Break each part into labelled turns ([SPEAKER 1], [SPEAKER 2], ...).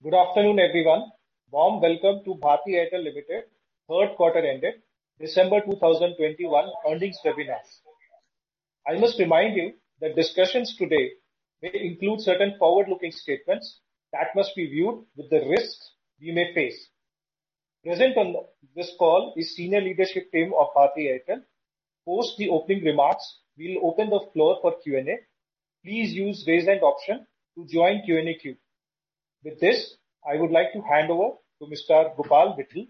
[SPEAKER 1] Good afternoon, everyone. Warm welcome to Bharti Airtel Limited Q3 ended December 2021 earnings webinar. I must remind you that discussions today may include certain forward-looking statements that must be viewed with the risks we may face. Present on this call is senior leadership team of Bharti Airtel. Post the opening remarks, we'll open the floor for Q&A. Please use raise hand option to join Q&A queue. With this, I would like to hand over to Mr. Gopal Vittal,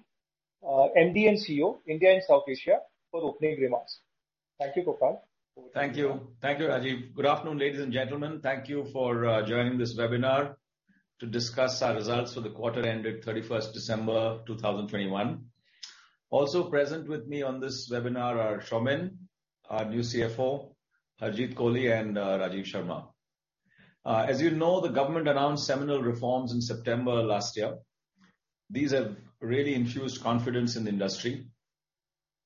[SPEAKER 1] MD and CEO, India and South Asia for opening remarks. Thank you, Gopal.
[SPEAKER 2] Thank you. Thank you, Rajiv. Good afternoon, ladies and gentlemen. Thank you for joining this webinar to discuss our results for the quarter ended 31 December 2021. Also present with me on this webinar are Soumen, our new CFO, Harjeet Kohli and Rajiv Sharma. As you know, the government announced seminal reforms in September last year. These have really infused confidence in the industry.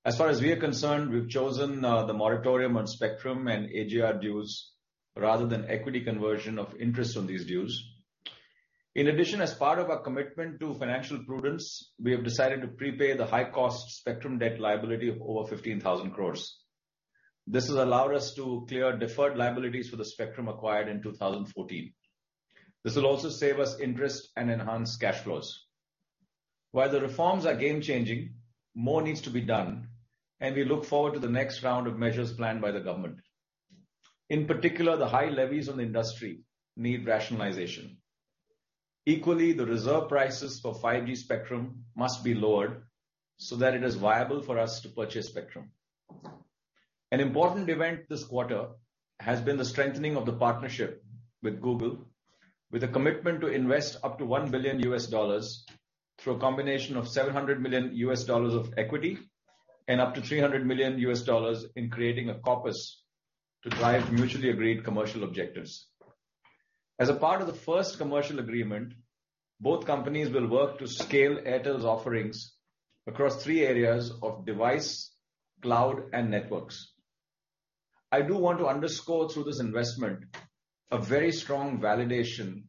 [SPEAKER 2] As far as we are concerned, we've chosen the moratorium on spectrum and AGR dues rather than equity conversion of interest on these dues. In addition, as part of our commitment to financial prudence, we have decided to prepay the high cost spectrum debt liability of over 15,000 crore. This has allowed us to clear deferred liabilities for the spectrum acquired in 2014. This will also save us interest and enhance cash flows. While the reforms are game-changing, more needs to be done, and we look forward to the next round of measures planned by the government. In particular, the high levies on the industry need rationalization. Equally, the reserve prices for 5G spectrum must be lowered so that it is viable for us to purchase spectrum. An important event this quarter has been the strengthening of the partnership with Google, with a commitment to invest up to $1 billion through a combination of $700 million of equity and up to $300 million in creating a corpus to drive mutually agreed commercial objectives. As a part of the first commercial agreement, both companies will work to scale Airtel's offerings across three areas of device, cloud, and networks. I do want to underscore through this investment a very strong validation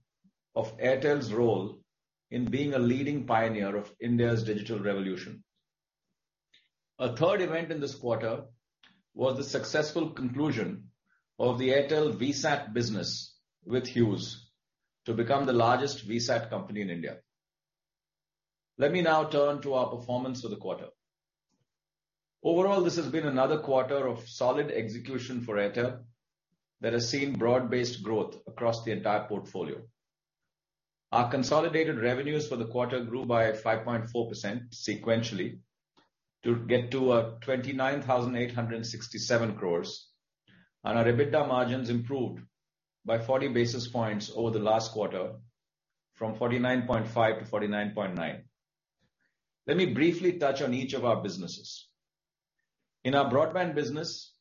[SPEAKER 2] of Airtel's role in being a leading pioneer of India's digital revolution. A third event in this quarter was the successful conclusion of the Airtel VSAT business with Hughes to become the largest VSAT company in India. Let me now turn to our performance for the quarter. Overall, this has been another quarter of solid execution for Airtel that has seen broad-based growth across the entire portfolio. Our consolidated revenues for the quarter grew by 5.4% sequentially to get to 29,867 crores and our EBITDA margins improved by 40 basis points over the last quarter from 49.5% to 49.9%. Let me briefly touch on each of our businesses. In our broadband business,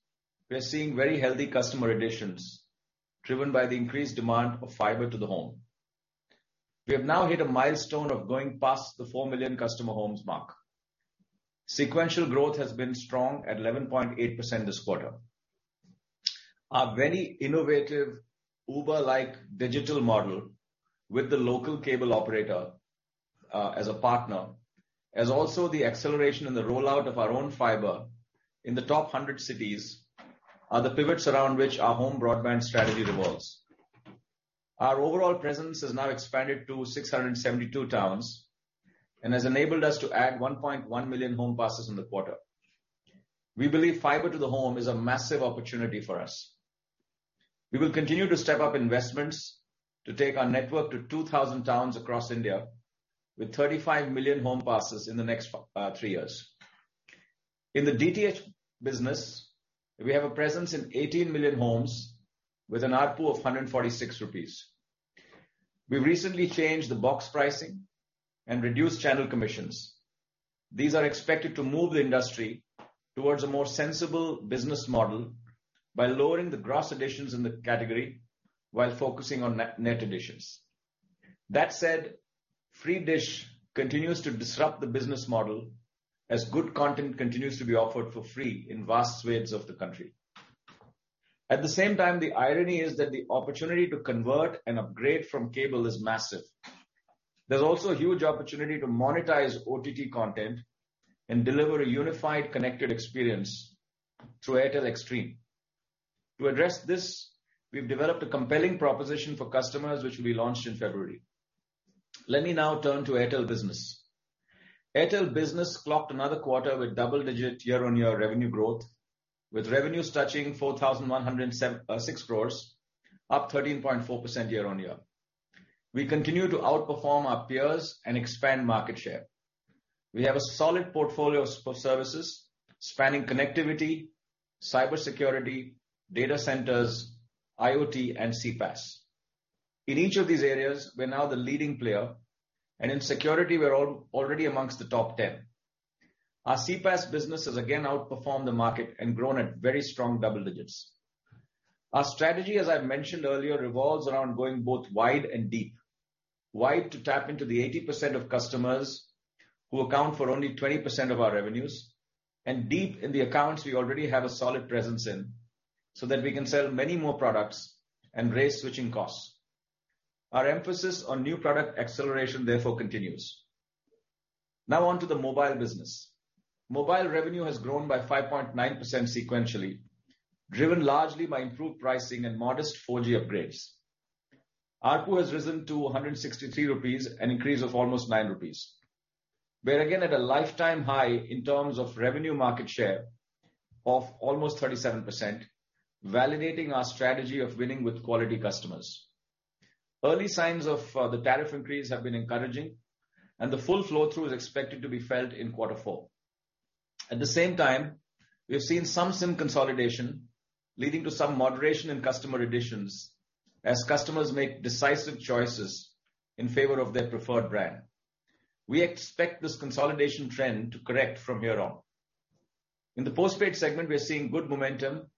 [SPEAKER 2] we are seeing very healthy customer additions driven by the increased demand of fiber to the home. We have now hit a milestone of going past the 4 million customer homes mark. Sequential growth has been strong at 11.8% this quarter. Our very innovative Uber-like digital model with the local cable operator, as a partner, as also the acceleration in the rollout of our own fiber in the top 100 cities are the pivots around which our home broadband strategy revolves. Our overall presence has now expanded to 672 towns and has enabled us to add 1.1 million home passes in the quarter. We believe fiber to the home is a massive opportunity for us. We will continue to step up investments to take our network to 2,000 towns across India with 35 million home passes in the next three years. In the DTH business, we have a presence in 18 million homes with an ARPU of 146 rupees. We recently changed the box pricing and reduced channel commissions. These are expected to move the industry towards a more sensible business model by lowering the gross additions in the category while focusing on net net additions. That said, Free Dish continues to disrupt the business model as good content continues to be offered for free in vast swathes of the country. At the same time, the irony is that the opportunity to convert and upgrade from cable is massive. There's also a huge opportunity to monetize OTT content and deliver a unified connected experience through Airtel Xstream. To address this, we've developed a compelling proposition for customers which will be launched in February. Let me now turn to Airtel Business. Airtel Business clocked another quarter with double-digit year-on-year revenue growth, with revenues touching 4,107.6 crores, up 13.4% year-on-year. We continue to outperform our peers and expand market share. We have a solid portfolio of services spanning connectivity, cybersecurity, data centers, IoT, and CPaaS. In each of these areas, we are now the leading player, and in security, we're already amongst the top 10. Our CPaaS business has again outperformed the market and grown at very strong double digits. Our strategy, as I mentioned earlier, revolves around going both wide and deep. wide to tap into the 80% of customers who account for only 20% of our revenues, and deep in the accounts we already have a solid presence in, so that we can sell many more products and raise switching costs. Our emphasis on new product acceleration therefore continues. Now on to the mobile business. Mobile revenue has grown by 5.9% sequentially, driven largely by improved pricing and modest 4G upgrades. ARPU has risen to 163 rupees, an increase of almost 9 rupees. We are again at a lifetime high in terms of revenue market share of almost 37%, validating our strategy of winning with quality customers. Early signs of the tariff increase have been encouraging, and the full flow-through is expected to be felt in quarter four. At the same time, we have seen some sim consolidation leading to some moderation in customer additions as customers make decisive choices in favor of their preferred brand. We expect this consolidation trend to correct from here on. In the postpaid segment, we are seeing good momentum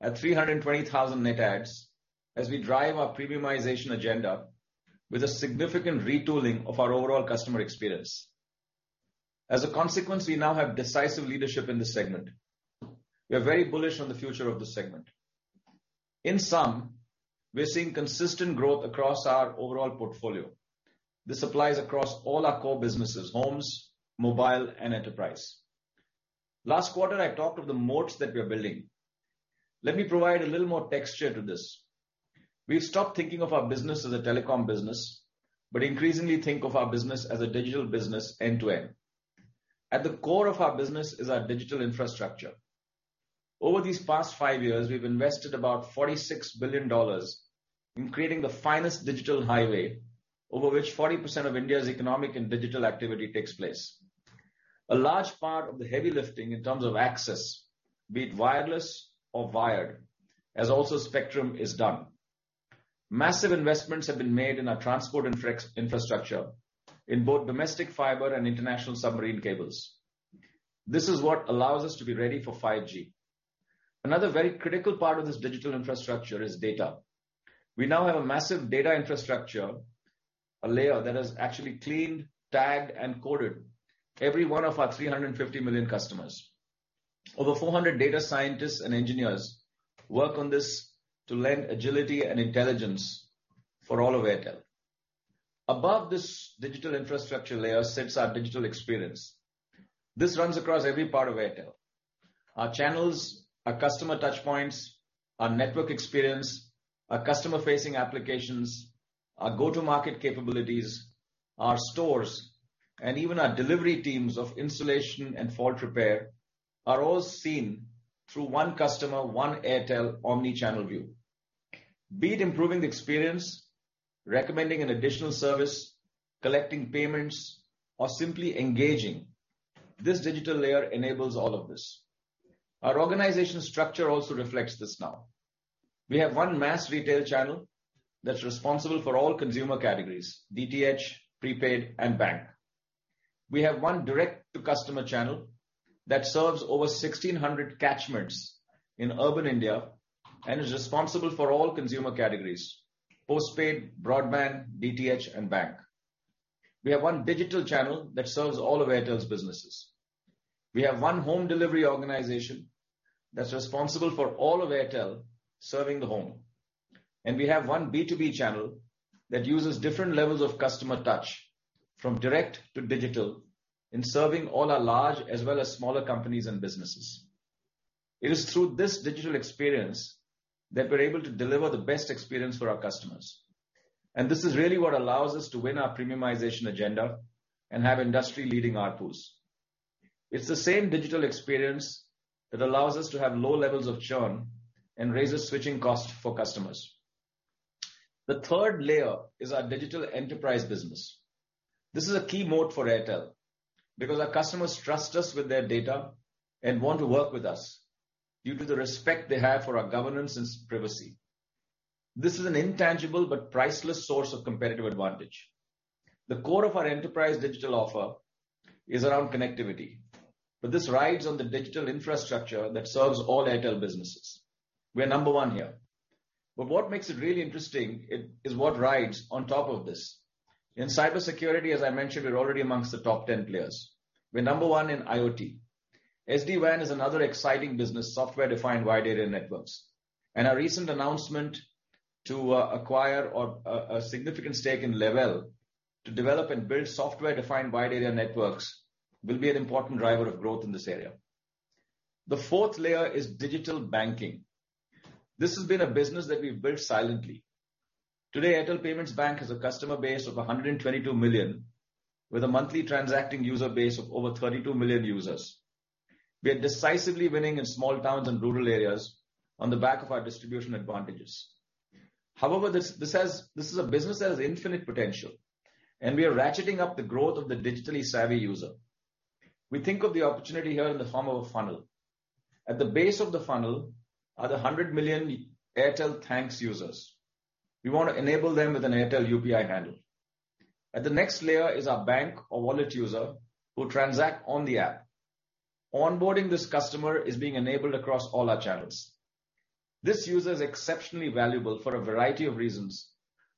[SPEAKER 2] at 320,000 net adds as we drive our premiumization agenda with a significant retooling of our overall customer experience. As a consequence, we now have decisive leadership in this segment. We are very bullish on the future of this segment. In sum, we are seeing consistent growth across our overall portfolio. This applies across all our core businesses, homes, mobile, and enterprise. Last quarter, I talked of the moats that we are building. Let me provide a little more texture to this. We've stopped thinking of our business as a telecom business, but increasingly think of our business as a digital business end to end. At the core of our business is our digital infrastructure. Over these past five years, we've invested about $46 billion in creating the finest digital highway over which 40% of India's economic and digital activity takes place. A large part of the heavy lifting in terms of access, be it wireless or wired, as also spectrum is done. Massive investments have been made in our transport infrastructure, in both domestic fiber and international submarine cables. This is what allows us to be ready for 5G. Another very critical part of this digital infrastructure is data. We now have a massive data infrastructure, a layer that has actually cleaned, tagged, and coded every one of our 350 million customers. Over 400 data scientists and engineers work on this to lend agility and intelligence for all of Airtel. Above this digital infrastructure layer sits our digital experience. This runs across every part of Airtel. Our channels, our customer touch points, our network experience, our customer-facing applications, our go-to-market capabilities, our stores, and even our delivery teams of installation and fault repair are all seen through one customer, one Airtel omni-channel view. Be it improving the experience, recommending an additional service, collecting payments, or simply engaging, this digital layer enables all of this. Our organization structure also reflects this now. We have one mass retail channel that's responsible for all consumer categories, DTH, prepaid, and bank. We have one direct to customer channel that serves over 1,600 catchments in urban India and is responsible for all consumer categories, postpaid, broadband, DTH, and bank. We have one digital channel that serves all of Airtel's businesses. We have one home delivery organization that's responsible for all of Airtel serving the home. We have one B2B channel that uses different levels of customer touch, from direct to digital, in serving all our large as well as smaller companies and businesses. It is through this digital experience that we're able to deliver the best experience for our customers, and this is really what allows us to win our premiumization agenda and have industry-leading ARPUs. It's the same digital experience that allows us to have low levels of churn and raises switching costs for customers. The third layer is our digital enterprise business. This is a key moat for Airtel because our customers trust us with their data and want to work with us due to the respect they have for our governance and privacy. This is an intangible but priceless source of competitive advantage. The core of our enterprise digital offer is around connectivity, but this rides on the digital infrastructure that serves all Airtel businesses. We are number one here. What makes it really interesting is what rides on top of this. In cybersecurity, as I mentioned, we're already amongst the top ten players. We're number one in IoT. SD-WAN is another exciting business, software-defined wide area networks. Our recent announcement to acquire a significant stake in Lavelle to develop and build software-defined wide area networks will be an important driver of growth in this area. The fourth layer is digital banking. This has been a business that we've built silently. Today, Airtel Payments Bank has a customer base of 122 million, with a monthly transacting user base of over 32 million users. We are decisively winning in small towns and rural areas on the back of our distribution advantages. However. This is a business that has infinite potential, and we are ratcheting up the growth of the digitally savvy user. We think of the opportunity here in the form of a funnel. At the base of the funnel are the 100 million Airtel Thanks users. We wanna enable them with an Airtel UPI handle. At the next layer is our bank or wallet user who transact on the app. Onboarding this customer is being enabled across all our channels. This user is exceptionally valuable for a variety of reasons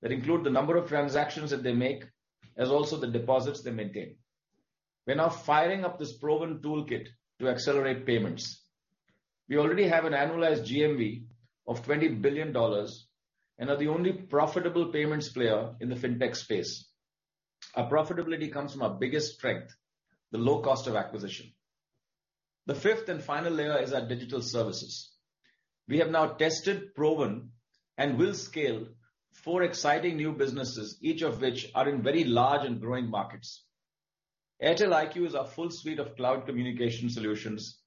[SPEAKER 2] that include the number of transactions that they make, as also the deposits they maintain. We're now firing up this proven toolkit to accelerate payments. We already have an annualized GMV of $20 billion and are the only profitable payments player in the fintech space. Our profitability comes from our biggest strength, the low cost of acquisition. The fifth and final layer is our digital services. We have now tested, proven, and will scale 4 exciting new businesses, each of which are in very large and growing markets. Airtel IQ is our full suite of cloud communication solutions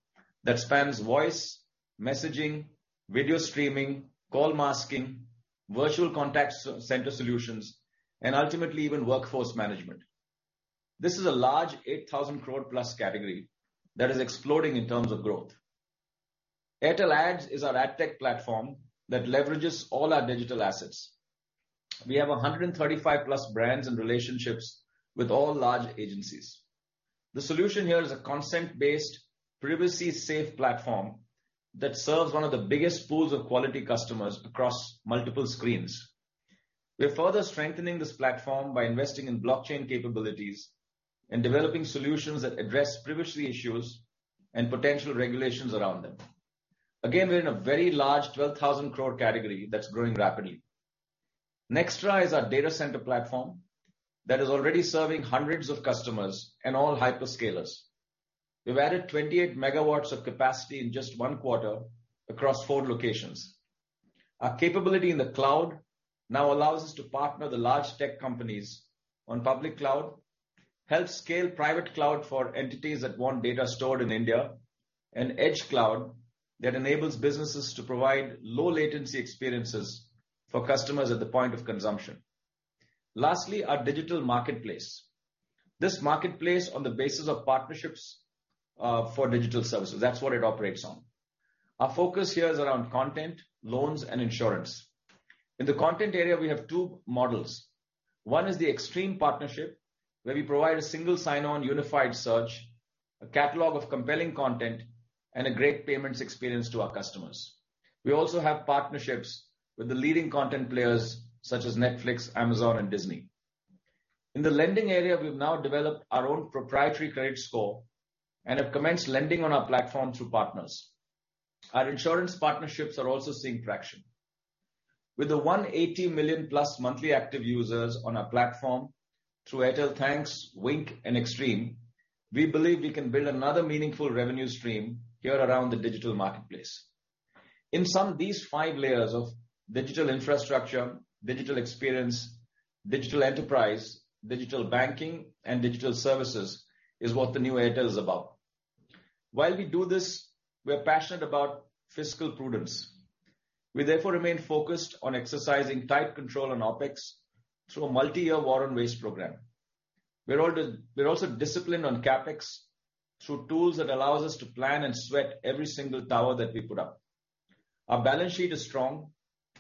[SPEAKER 2] that spans voice, messaging, video streaming, call masking, virtual contact center solutions, and ultimately, even workforce management. This is a large 8,000 crore+ category that is exploding in terms of growth. Airtel Ads is our ad tech platform that leverages all our digital assets. We have 135+ brands and relationships with all large agencies. The solution here is a consent-based, privacy-safe platform that serves one of the biggest pools of quality customers across multiple screens. We're further strengthening this platform by investing in blockchain capabilities and developing solutions that address privacy issues and potential regulations around them. Again, we're in a very large 12,000 crore category that's growing rapidly. Nxtra is our data center platform that is already serving hundreds of customers and all hyperscalers. We've added 28 MW of capacity in just 1 quarter across 4 locations. Our capability in the cloud now allows us to partner the large tech companies on public cloud, help scale private cloud for entities that want data stored in India, and edge cloud that enables businesses to provide low-latency experiences for customers at the point of consumption. Lastly, our digital marketplace. This marketplace on the basis of partnerships for digital services, that's what it operates on. Our focus here is around content, loans, and insurance. In the content area, we have two models. One is the Xstream partnership, where we provide a single sign-on unified search, a catalog of compelling content, and a great payments experience to our customers. We also have partnerships with the leading content players such as Netflix, Amazon, and Disney. In the lending area, we've now developed our own proprietary credit score and have commenced lending on our platform through partners. Our insurance partnerships are also seeing traction. With the 180 million-plus monthly active users on our platform through Airtel Thanks, Wynk, and Xstream, we believe we can build another meaningful revenue stream here around the digital marketplace. In sum, these five layers of digital infrastructure, digital experience, digital enterprise, digital banking, and digital services is what the new Airtel is about. While we do this, we are passionate about fiscal prudence. We therefore remain focused on exercising tight control on OpEx through a multi-year War on Waste program. We're also disciplined on CapEx through tools that allows us to plan and sweat every single tower that we put up. Our balance sheet is strong,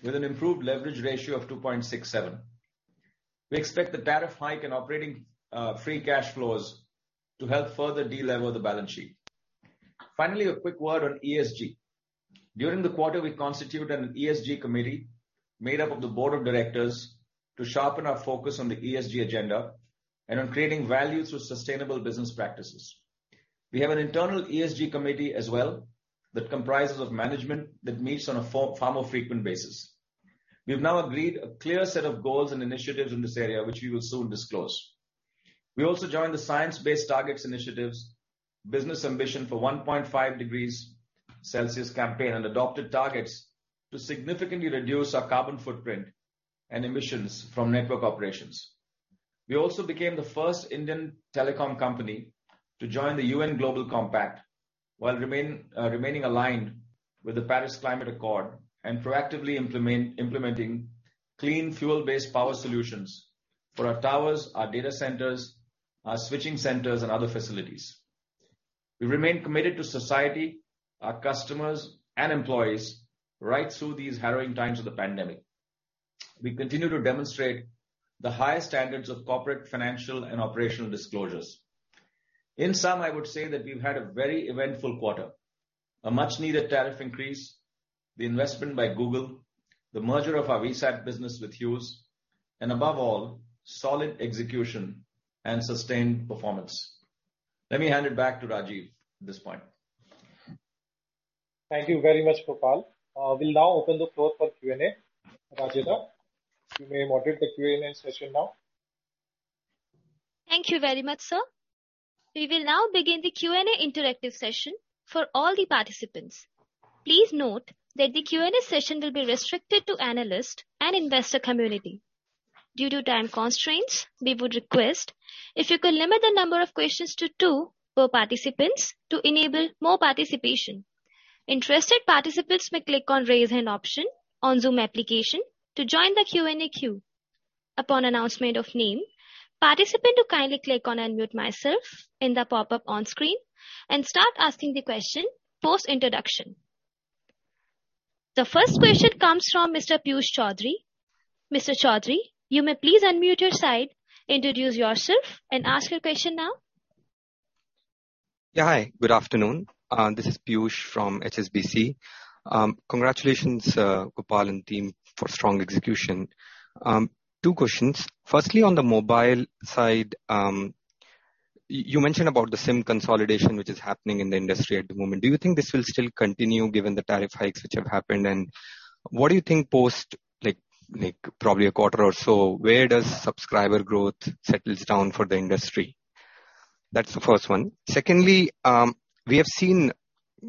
[SPEAKER 2] with an improved leverage ratio of 2.67. We expect the tariff hike and operating, free cash flows to help further de-lever the balance sheet. Finally, a quick word on ESG. During the quarter, we constitute an ESG committee made up of the board of directors to sharpen our focus on the ESG agenda and on creating value through sustainable business practices. We have an internal ESG committee as well that comprises of management that meets on a far, far more frequent basis. We have now agreed a clear set of goals and initiatives in this area, which we will soon disclose. We also joined the Science Based Targets initiative's Business Ambition for 1.5 degrees Celsius campaign and adopted targets to significantly reduce our carbon footprint and emissions from network operations. We also became the first Indian telecom company to join the UN Global Compact while remaining aligned with the Paris Agreement and proactively implementing clean, fuel-based power solutions for our towers, our data centers, our switching centers, and other facilities. We remain committed to society, our customers, and employees right through these harrowing times of the pandemic. We continue to demonstrate the highest standards of corporate, financial, and operational disclosures. In sum, I would say that we've had a very eventful quarter. A much-needed tariff increase, the investment by Google, the merger of our VSAT business with Hughes, and above all, solid execution and sustained performance. Let me hand it back to Rajiv at this point.
[SPEAKER 1] Thank you very much, Gopal. We'll now open the floor for Q&A. Rajitha, you may moderate the Q&A session now.
[SPEAKER 3] Thank you very much, sir. We will now begin the Q&A interactive session for all the participants. Please note that the Q&A session will be restricted to analyst and investor community. Due to time constraints, we would request if you could limit the number of questions to two per participants to enable more participation. Interested participants may click on Raise Hand option on Zoom application to join the Q&A queue. Upon announcement of name, participant to kindly click on Unmute Myself in the pop-up on screen and start asking the question post-introduction. The first question comes from Mr. Piyush Choudhary. Mr. Choudhary, you may please unmute your side, introduce yourself, and ask your question now.
[SPEAKER 4] Yeah. Hi, good afternoon. This is Piyush from HSBC. Congratulations, Gopal and team, for strong execution. 2 questions. Firstly, on the mobile side, you mentioned about the SIM consolidation, which is happening in the industry at the moment. Do you think this will still continue given the tariff hikes which have happened? And what do you think post, like, probably a quarter or so, where does subscriber growth settles down for the industry? That's the first one. Secondly, we have seen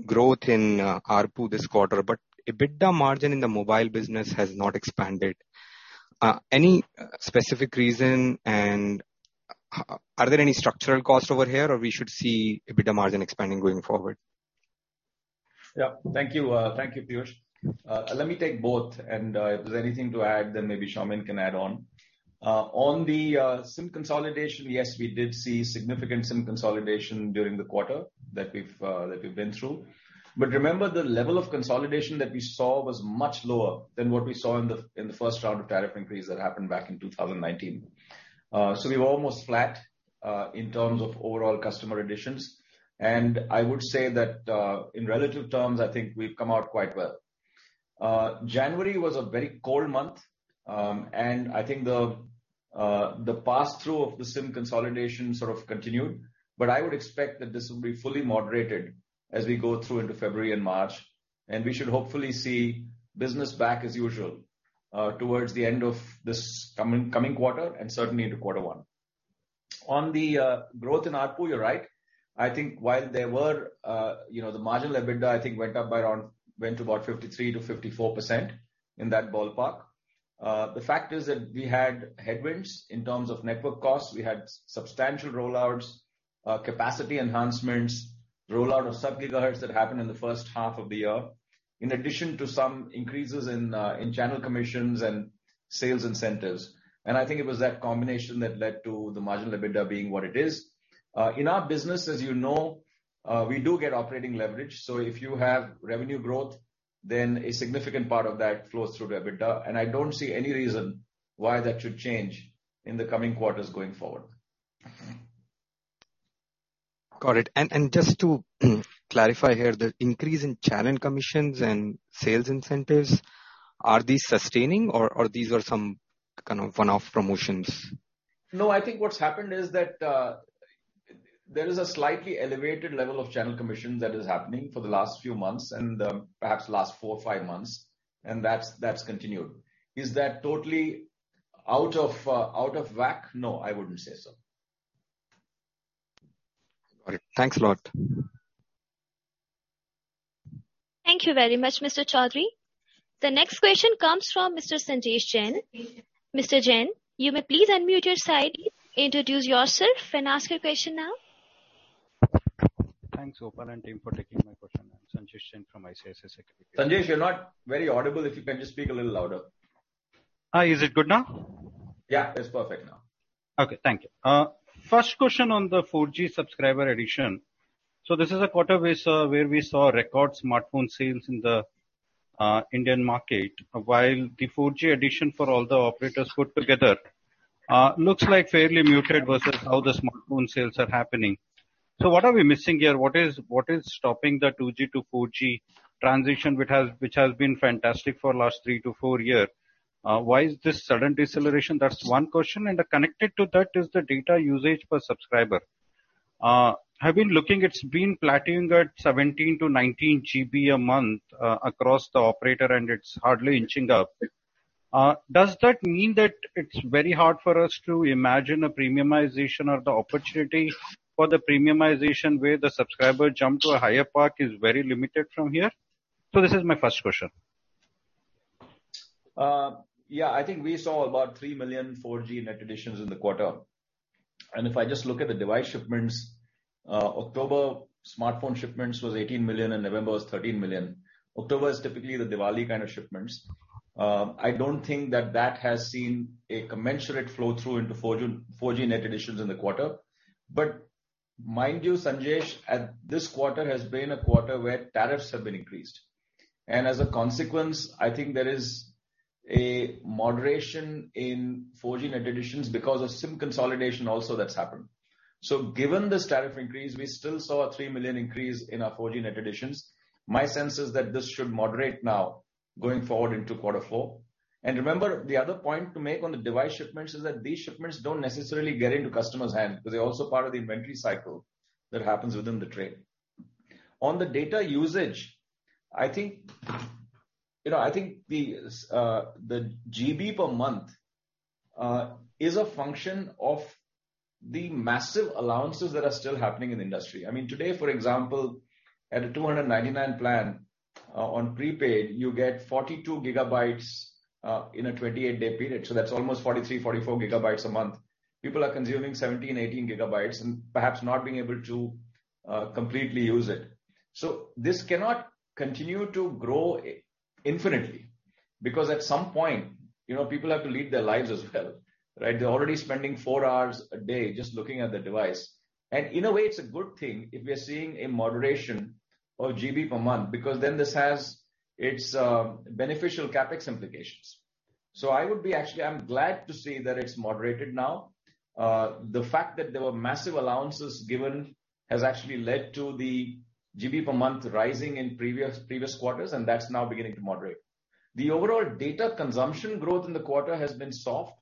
[SPEAKER 4] growth in ARPU this quarter, but EBITDA margin in the mobile business has not expanded. Any specific reason, and are there any structural costs over here or we should see EBITDA margin expanding going forward?
[SPEAKER 2] Yeah. Thank you. Thank you, Piyush. Let me take both, and if there's anything to add, then maybe Shamind can add on. On the SIM consolidation, yes, we did see significant SIM consolidation during the quarter that we've been through. Remember, the level of consolidation that we saw was much lower than what we saw in the first round of tariff increase that happened back in 2019. We were almost flat in terms of overall customer additions. I would say that in relative terms, I think we've come out quite well. January was a very cold month, and I think the pass-through of the SIM consolidation sort of continued, but I would expect that this will be fully moderated as we go through into February and March, and we should hopefully see business back as usual, towards the end of this coming quarter and certainly into quarter one. On the growth in ARPU, you're right. I think while there were, you know, the margin EBITDA, I think went up by around, went to about 53%-54%, in that ballpark. The fact is that we had headwinds in terms of network costs. We had substantial rollouts, capacity enhancements, rollout of sub-gigahertz that happened in the first half of the year. In addition to some increases in channel commissions and sales incentives. I think it was that combination that led to the margin EBITDA being what it is. In our business, as you know, we do get operating leverage, so if you have revenue growth, then a significant part of that flows through to EBITDA, and I don't see any reason why that should change in the coming quarters going forward.
[SPEAKER 4] Got it. Just to clarify here, the increase in channel commissions and sales incentives, are these sustaining or these are some kind of one-off promotions?
[SPEAKER 2] No, I think what's happened is that there is a slightly elevated level of channel commissions that is happening for the last few months and, perhaps the last 4 or 5 months, and that's continued. Is that totally out of whack? No, I wouldn't say so.
[SPEAKER 4] All right. Thanks a lot.
[SPEAKER 3] Thank you very much, Mr. Chaudhary. The next question comes from Mr. Sanjesh Jain. Mr. Jain, you may please unmute your side, introduce yourself and ask your question now.
[SPEAKER 5] Thanks, Gopal and team, for taking my question. I'm Sanjesh Jain from ICICI Securities.
[SPEAKER 2] Sanjesh, you're not very audible. If you can just speak a little louder.
[SPEAKER 5] Hi, is it good now?
[SPEAKER 2] Yeah, it's perfect now.
[SPEAKER 5] Okay, thank you. First question on the 4G subscriber addition. This is a quarter we saw, where we saw record smartphone sales in the Indian market. While the 4G addition for all the operators put together looks like fairly muted versus how the smartphone sales are happening. What are we missing here? What is stopping the 2G to 4G transition, which has been fantastic for last three to four year? Why is this sudden deceleration? That's one question. And connected to that is the data usage per subscriber. I've been looking, it's been plateauing at 17-19 GB a month across the operator, and it's hardly inching up. Does that mean that it's very hard for us to imagine a premiumization or the opportunity for the premiumization where the subscriber jump to a higher pack is very limited from here? This is my first question.
[SPEAKER 2] Yeah, I think we saw about 3 million 4G net additions in the quarter. If I just look at the device shipments, October smartphone shipments was 18 million and November was 13 million. October is typically the Diwali kind of shipments. I don't think that has seen a commensurate flow through into 4G net additions in the quarter. Mind you, Sanjesh, this quarter has been a quarter where tariffs have been increased. As a consequence, I think there is a moderation in 4G net additions because of SIM consolidation also that's happened. Given this tariff increase, we still saw a 3 million increase in our 4G net additions. My sense is that this should moderate now going forward into quarter four. Remember, the other point to make on the device shipments is that these shipments don't necessarily get into customers' hands, because they're also part of the inventory cycle that happens within the trade. On the data usage, I think, you know, I think the GB per month is a function of the massive allowances that are still happening in the industry. I mean, today, for example, at a 299 plan on prepaid, you get 42 gigabytes in a 28-day period, so that's almost 43, 44 gigabytes a month. People are consuming 17, 18 gigabytes and perhaps not being able to completely use it. So this cannot continue to grow infinitely because at some point, you know, people have to lead their lives as well, right? They're already spending four hours a day just looking at the device. In a way, it's a good thing if we are seeing a moderation of GB per month, because then this has its beneficial CapEx implications. I would be, actually, I'm glad to see that it's moderated now. The fact that there were massive allowances given has actually led to the GB per month rising in previous quarters, and that's now beginning to moderate. The overall data consumption growth in the quarter has been soft,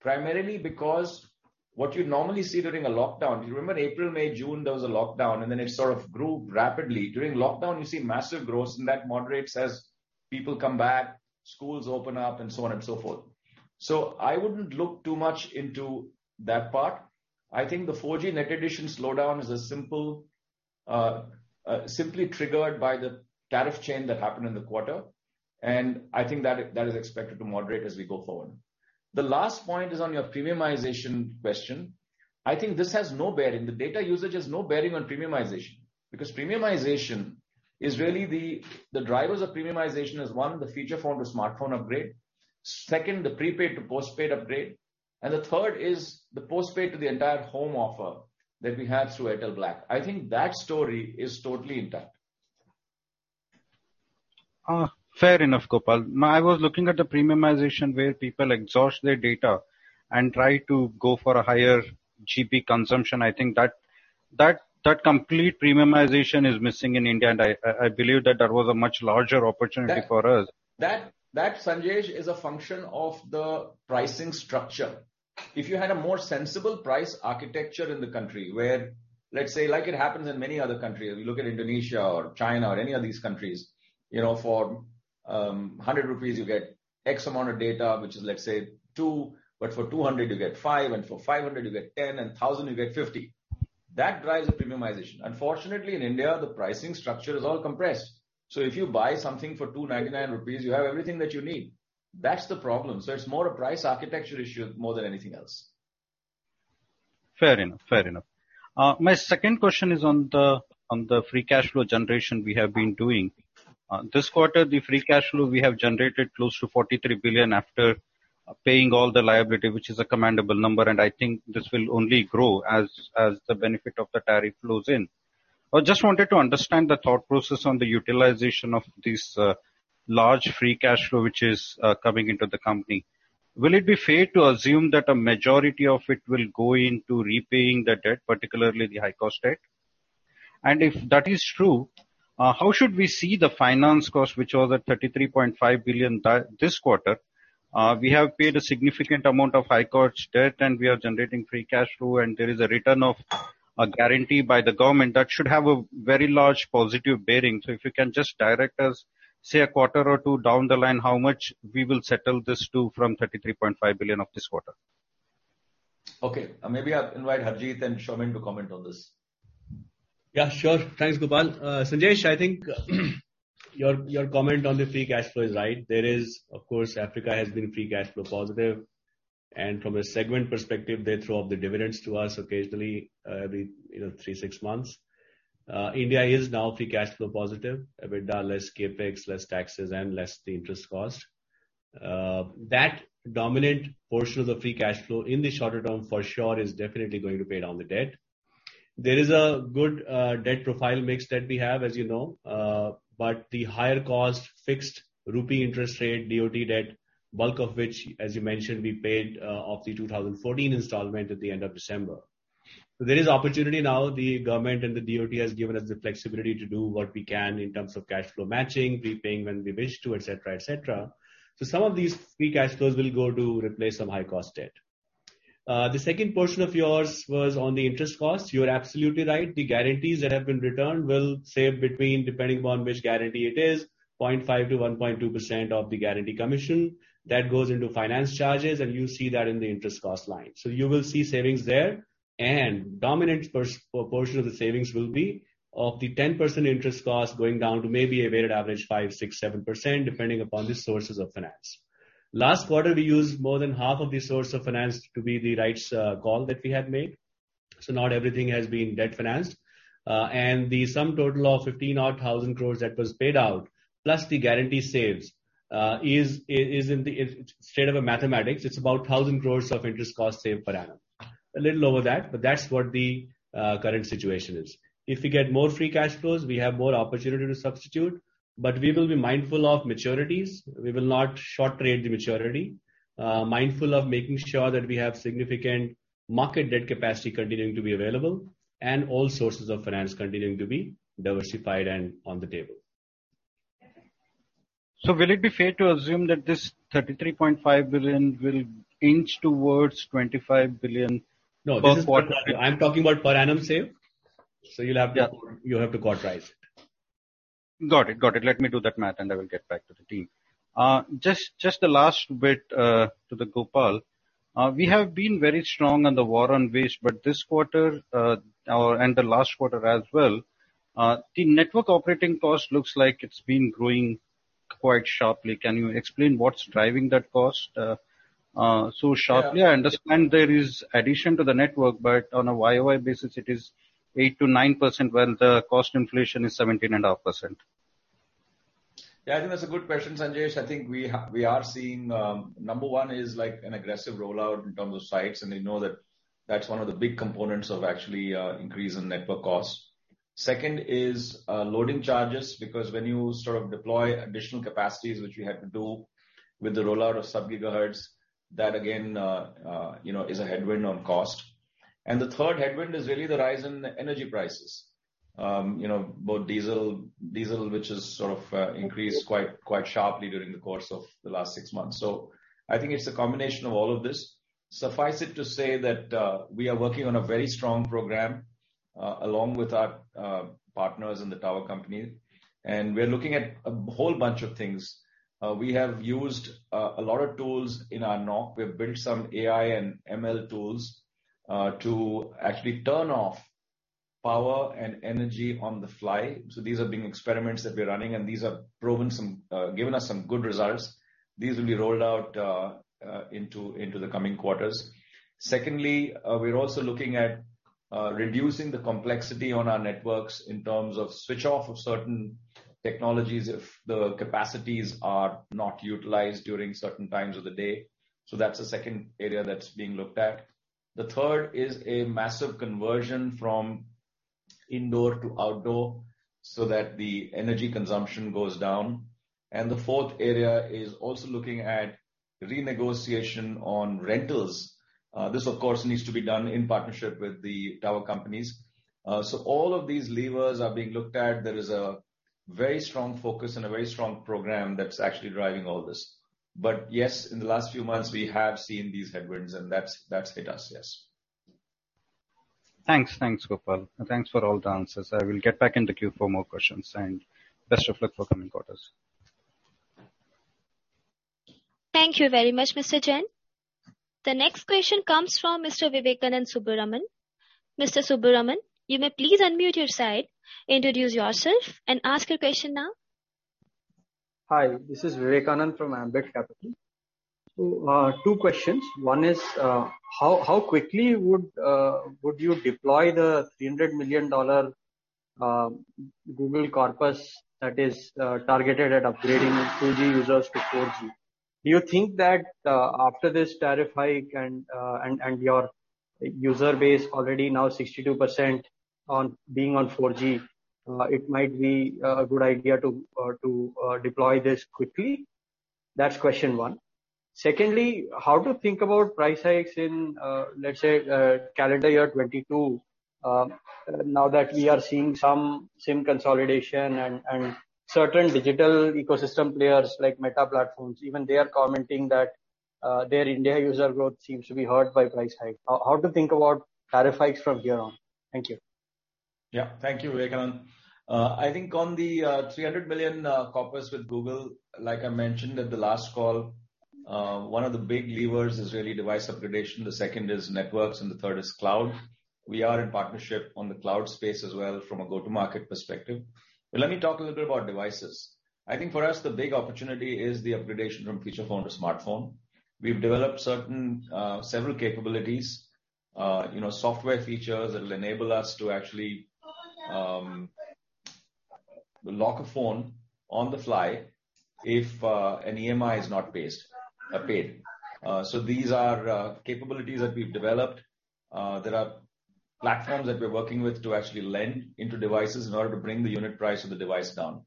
[SPEAKER 2] primarily because what you normally see during a lockdown. Do you remember April, May, June, there was a lockdown, and then it sort of grew rapidly. During lockdown, you see massive growth, and that moderates as people come back, schools open up and so on and so forth. I wouldn't look too much into that part. I think the 4G net addition slowdown is a simple, simply triggered by the tariff change that happened in the quarter. I think that is expected to moderate as we go forward. The last point is on your premiumization question. I think this has no bearing. The data usage has no bearing on premiumization, because premiumization is really the drivers of premiumization is, one, the feature phone to smartphone upgrade. Second, the prepaid to postpaid upgrade. The third is the postpaid to the entire home offer that we have through Airtel Black. I think that story is totally intact.
[SPEAKER 5] Fair enough, Gopal. I was looking at the premiumization where people exhaust their data and try to go for a higher GB consumption. I think that complete premiumization is missing in India, and I believe that that was a much larger opportunity for us.
[SPEAKER 2] That, Sanjay, is a function of the pricing structure. If you had a more sensible price architecture in the country, where, let's say like it happens in many other countries. If you look at Indonesia or China or any of these countries, you know, for 100 rupees, you get X amount of data, which is, let's say 2. But for 200 you get 5, and for 500 you get 10, and for 1,000 you get 50. That drives the premiumization. Unfortunately, in India, the pricing structure is all compressed. If you buy something for 299 rupees, you have everything that you need. That's the problem. It's more a price architecture issue more than anything else.
[SPEAKER 5] Fair enough. My second question is on the free cash flow generation we have been doing. This quarter, the free cash flow we have generated close to 43 billion after paying all the liability, which is a commendable number, and I think this will only grow as the benefit of the tariff flows in. I just wanted to understand the thought process on the utilization of this large free cash flow which is coming into the company. Will it be fair to assume that a majority of it will go into repaying the debt, particularly the high cost debt? If that is true, how should we see the finance cost, which was at 33.5 billion this quarter? We have paid a significant amount of high cost debt and we are generating free cash flow, and there is a return of a guarantee by the government. That should have a very large positive bearing. If you can just direct us, say, a quarter or two down the line, how much we will settle this to from 33.5 billion of this quarter?
[SPEAKER 2] Okay. Maybe I'll invite Harjeet then Soumen to comment on this.
[SPEAKER 6] Yeah, sure. Thanks, Gopal. Sanjesh, I think your comment on the free cash flow is right. Of course, Africa has been free cash flow positive. From a segment perspective, they throw off the dividends to us occasionally, every you know, 3, 6 months. India is now free cash flow positive with lower CapEx, lower taxes and lower interest cost. That dominant portion of the free cash flow in the shorter term for sure is definitely going to pay down the debt. There is a good debt profile mix that we have, as you know, but the higher cost fixed rupee interest rate old debt, bulk of which, as you mentioned, we paid off the 2014 installment at the end of December. There is opportunity now. The government and the DoT has given us the flexibility to do what we can in terms of cash flow matching, repaying when we wish to, et cetera, et cetera. Some of these free cash flows will go to replace some high cost debt. The second portion of yours was on the interest cost. You're absolutely right. The guarantees that have been returned will save between, depending upon which guarantee it is, 0.5%-1.2% of the guarantee commission. That goes into finance charges, and you see that in the interest cost line. You will see savings there. Dominant portion of the savings will be of the 10% interest cost going down to maybe a weighted average 5%, 6%, 7%, depending upon the sources of finance. Last quarter, we used more than half of the source of finance to be the rights issue that we had made. Not everything has been debt financed. The sum total of 15,000-odd crore that was paid out plus the guarantee savings is. It's straight out of mathematics. It's about 1,000 crore of interest cost saved per annum. A little over that, but that's what the current situation is. If we get more free cash flows, we have more opportunity to substitute, but we will be mindful of maturities. We will not shorten the maturity. Mindful of making sure that we have significant market debt capacity continuing to be available and all sources of finance continuing to be diversified and on the table.
[SPEAKER 5] Will it be fair to assume that this 33.5 billion will inch towards 25 billion per quarter?
[SPEAKER 2] No. I'm talking about per annum savings. You'll have to
[SPEAKER 5] Yeah.
[SPEAKER 2] You'll have to quadrise it.
[SPEAKER 5] Got it. Let me do that math, and I will get back to the team. Just the last bit to Gopal. We have been very strong on the War on Waste, but this quarter and the last quarter as well, the network operating cost looks like it's been growing quite sharply. Can you explain what's driving that cost so sharply?
[SPEAKER 2] Yeah.
[SPEAKER 5] I understand there is addition to the network, but on a YOY basis, it is 8%-9%, while the cost inflation is 17.5%.
[SPEAKER 2] Yeah. I think that's a good question, Sanjesh. I think we are seeing, number one is, like, an aggressive rollout in terms of sites, and you know that that's one of the big components of actually, increase in network costs. Second is, loading charges, because when you sort of deploy additional capacities which you had to do with the rollout of sub-gigahertz, that again, you know, is a headwind on cost. The third headwind is really the rise in energy prices. You know, both diesel which has sort of, increased quite sharply during the course of the last six months. I think it's a combination of all of this. Suffice it to say that, we are working on a very strong program, along with our partners in the tower company, and we're looking at a whole bunch of things. We have used a lot of tools in our NOC. We have built some AI and ML tools, to actually turn off power and energy on the fly. These are experiments that we are running, and these have given us some good results. These will be rolled out into the coming quarters. Secondly, we're also looking at reducing the complexity on our networks in terms of switch off of certain technologies if the capacities are not utilized during certain times of the day. That's the second area that's being looked at. The third is a massive conversion from indoor to outdoor so that the energy consumption goes down. The fourth area is also looking at renegotiation on rentals. This of course needs to be done in partnership with the tower companies. All of these levers are being looked at. There is a very strong focus and a very strong program that's actually driving all this. Yes, in the last few months we have seen these headwinds and that's hit us, yes.
[SPEAKER 5] Thanks. Thanks, Gopal, and thanks for all the answers. I will get back in the queue for more questions, and best of luck for coming quarters.
[SPEAKER 3] Thank you very much, Mr. Jain. The next question comes from Mr. Vivekanand Subbaraman. Mr. Subbaraman, you may please unmute your side, introduce yourself, and ask your question now.
[SPEAKER 7] Hi, this is Vivekanand from Ambit Capital. Two questions. One is how quickly would you deploy the $300 million Google corpus that is targeted at upgrading 2G users to 4G? Do you think that after this tariff hike and your user base already now 62% on 4G, it might be a good idea to deploy this quickly? That's question one. Secondly, how to think about price hikes in let's say calendar year 2022, now that we are seeing some SIM consolidation and certain digital ecosystem players like Meta Platforms, even they are commenting that their India user growth seems to be hurt by price hike. How to think about tariff hikes from here on? Thank you.
[SPEAKER 2] Yeah. Thank you, Vivekanand. I think on the $300 million corpus with Google, like I mentioned at the last call, one of the big levers is really device upgradation. The second is networks, and the third is cloud. We are in partnership on the cloud space as well from a go-to-market perspective. Let me talk a little bit about devices. I think for us the big opportunity is the upgradation from feature phone to smartphone. We've developed certain several capabilities, you know, software features that will enable us to actually lock a phone on the fly if an EMI is not paid. So these are capabilities that we've developed. There are platforms that we're working with to actually lend into devices in order to bring the unit price of the device down.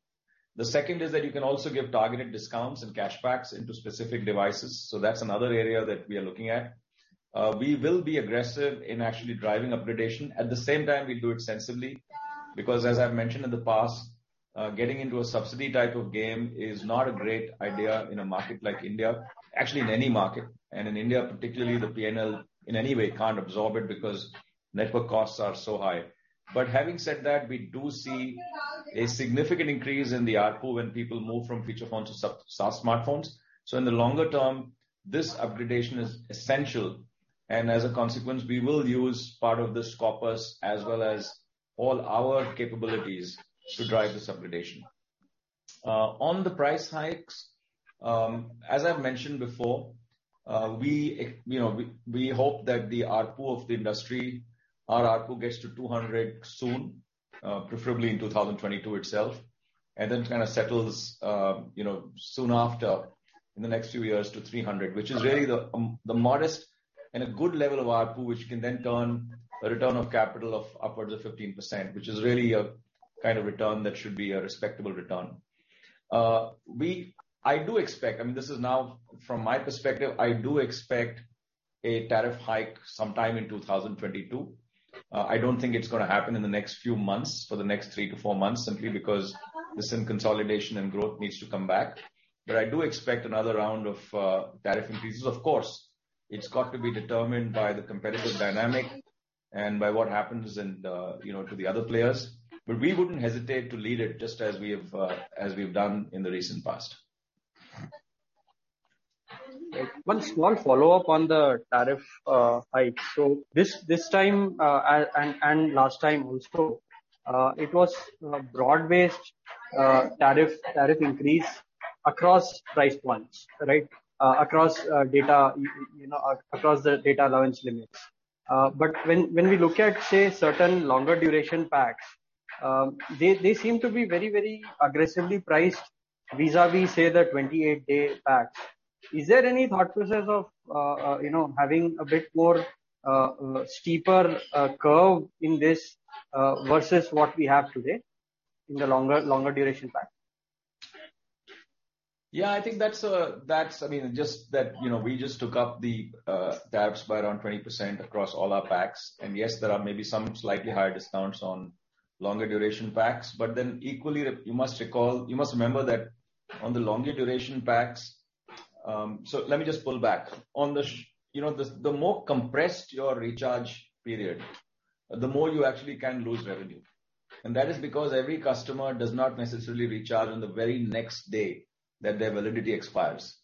[SPEAKER 2] The second is that you can also give targeted discounts and cash backs into specific devices, so that's another area that we are looking at. We will be aggressive in actually driving upgradation. At the same time, we do it sensibly because as I've mentioned in the past, getting into a subsidy type of game is not a great idea in a market like India, actually in any market. In India, particularly the P&L in any way can't absorb it because network costs are so high. Having said that, we do see a significant increase in the ARPU when people move from feature phone to smartphones. In the longer term, this upgradation is essential, and as a consequence, we will use part of this corpus as well as all our capabilities to drive this upgradation. On the price hikes, as I've mentioned before, you know, we hope that the ARPU of the industry, our ARPU gets to 200 soon, preferably in 2022 itself, and then kind of settles, you know, soon after in the next few years to 300, which is really the modest and a good level of ARPU, which can then turn a return on capital of upwards of 15%, which is really a kind of return that should be a respectable return. I do expect, I mean, this is now from my perspective, a tariff hike sometime in 2022. I don't think it's gonna happen in the next few months, for the next 3-4 months, simply because the SIM consolidation and growth needs to come back. I do expect another round of tariff increases. Of course, it's got to be determined by the competitive dynamic and by what happens in, you know, to the other players. We wouldn't hesitate to lead it just as we have, as we've done in the recent past.
[SPEAKER 7] One small follow-up on the tariff hike. This time and last time also it was a broad-based tariff increase across price points, right? Across data you know across the data allowance limits. When we look at say certain longer duration packs they seem to be very aggressively priced vis-a-vis say the 28-day packs. Is there any thought process of you know having a bit more steeper curve in this versus what we have today in the longer duration pack?
[SPEAKER 2] Yeah, I think that's. I mean, just that, you know, we just took up the tariffs by around 20% across all our packs. Yes, there are maybe some slightly higher discounts on longer duration packs. Equally, you must recall, you must remember that on the longer duration packs, let me just pull back. On the, you know, the more compressed your recharge period, the more you actually can lose revenue. That is because every customer does not necessarily recharge on the very next day that their validity expires.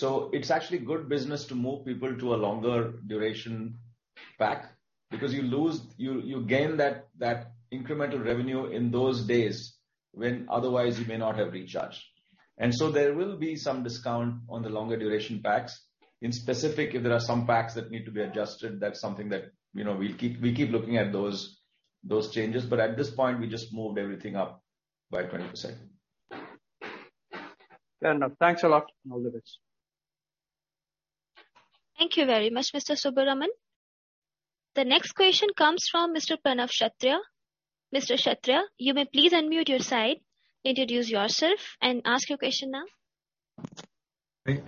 [SPEAKER 2] It's actually good business to move people to a longer duration pack because you lose. You gain that incremental revenue in those days when otherwise you may not have recharged. There will be some discount on the longer duration packs. In specific, if there are some packs that need to be adjusted, that's something that, you know, we'll keep looking at those changes. But at this point, we just moved everything up by 20%.
[SPEAKER 7] Fair enough. Thanks a lot, and all the best.
[SPEAKER 3] Thank you very much, Mr. Subbaraman. The next question comes from Mr. Pranav Kshatriya. Mr. Pranav Kshatriya, you may please unmute your side, introduce yourself and ask your question now.
[SPEAKER 8] Hey.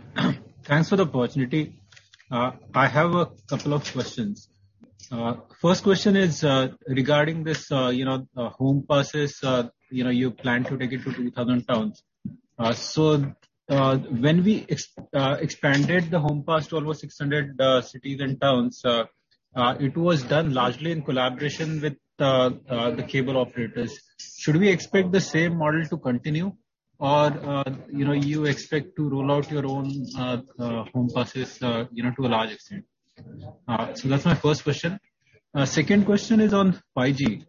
[SPEAKER 8] Thanks for the opportunity. I have a couple of questions. First question is regarding this, you know, home passes, you know, you plan to take it to 2000 towns. When we expanded the home pass to almost 600 cities and towns, it was done largely in collaboration with the cable operators. Should we expect the same model to continue or, you know, you expect to roll out your own home passes, you know, to a large extent? That's my first question. Second question is on 5G.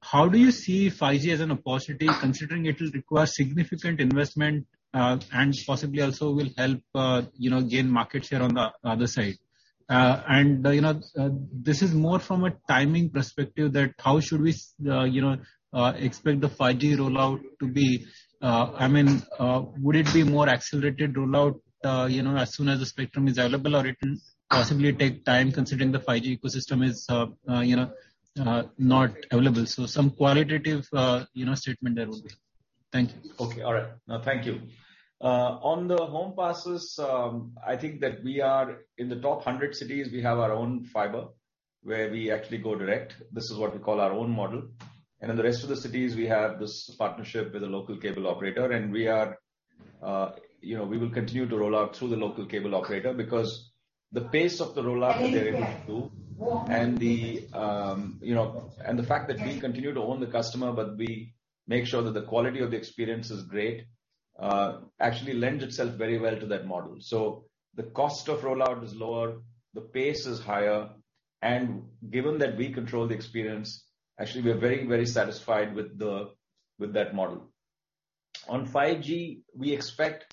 [SPEAKER 8] How do you see 5G as an opportunity, considering it will require significant investment and possibly also will help, you know, gain market share on the other side? This is more from a timing perspective that how should we expect the 5G rollout to be? I mean, would it be more accelerated rollout, you know, as soon as the spectrum is available or it will possibly take time considering the 5G ecosystem is not available? Some qualitative statement there would be. Thank you.
[SPEAKER 2] Okay. All right. No, thank you. On the home passes, I think that we are in the top 100 cities, we have our own fiber where we actually go direct. This is what we call our own model. In the rest of the cities, we have this partnership with a local cable operator, and we will continue to roll out through the local cable operator because the pace of the rollout that they're able to, and the fact that we continue to own the customer, but we make sure that the quality of the experience is great, actually lends itself very well to that model. The cost of rollout is lower, the pace is higher, and given that we control the experience, actually we are very, very satisfied with that model. On 5G, we expect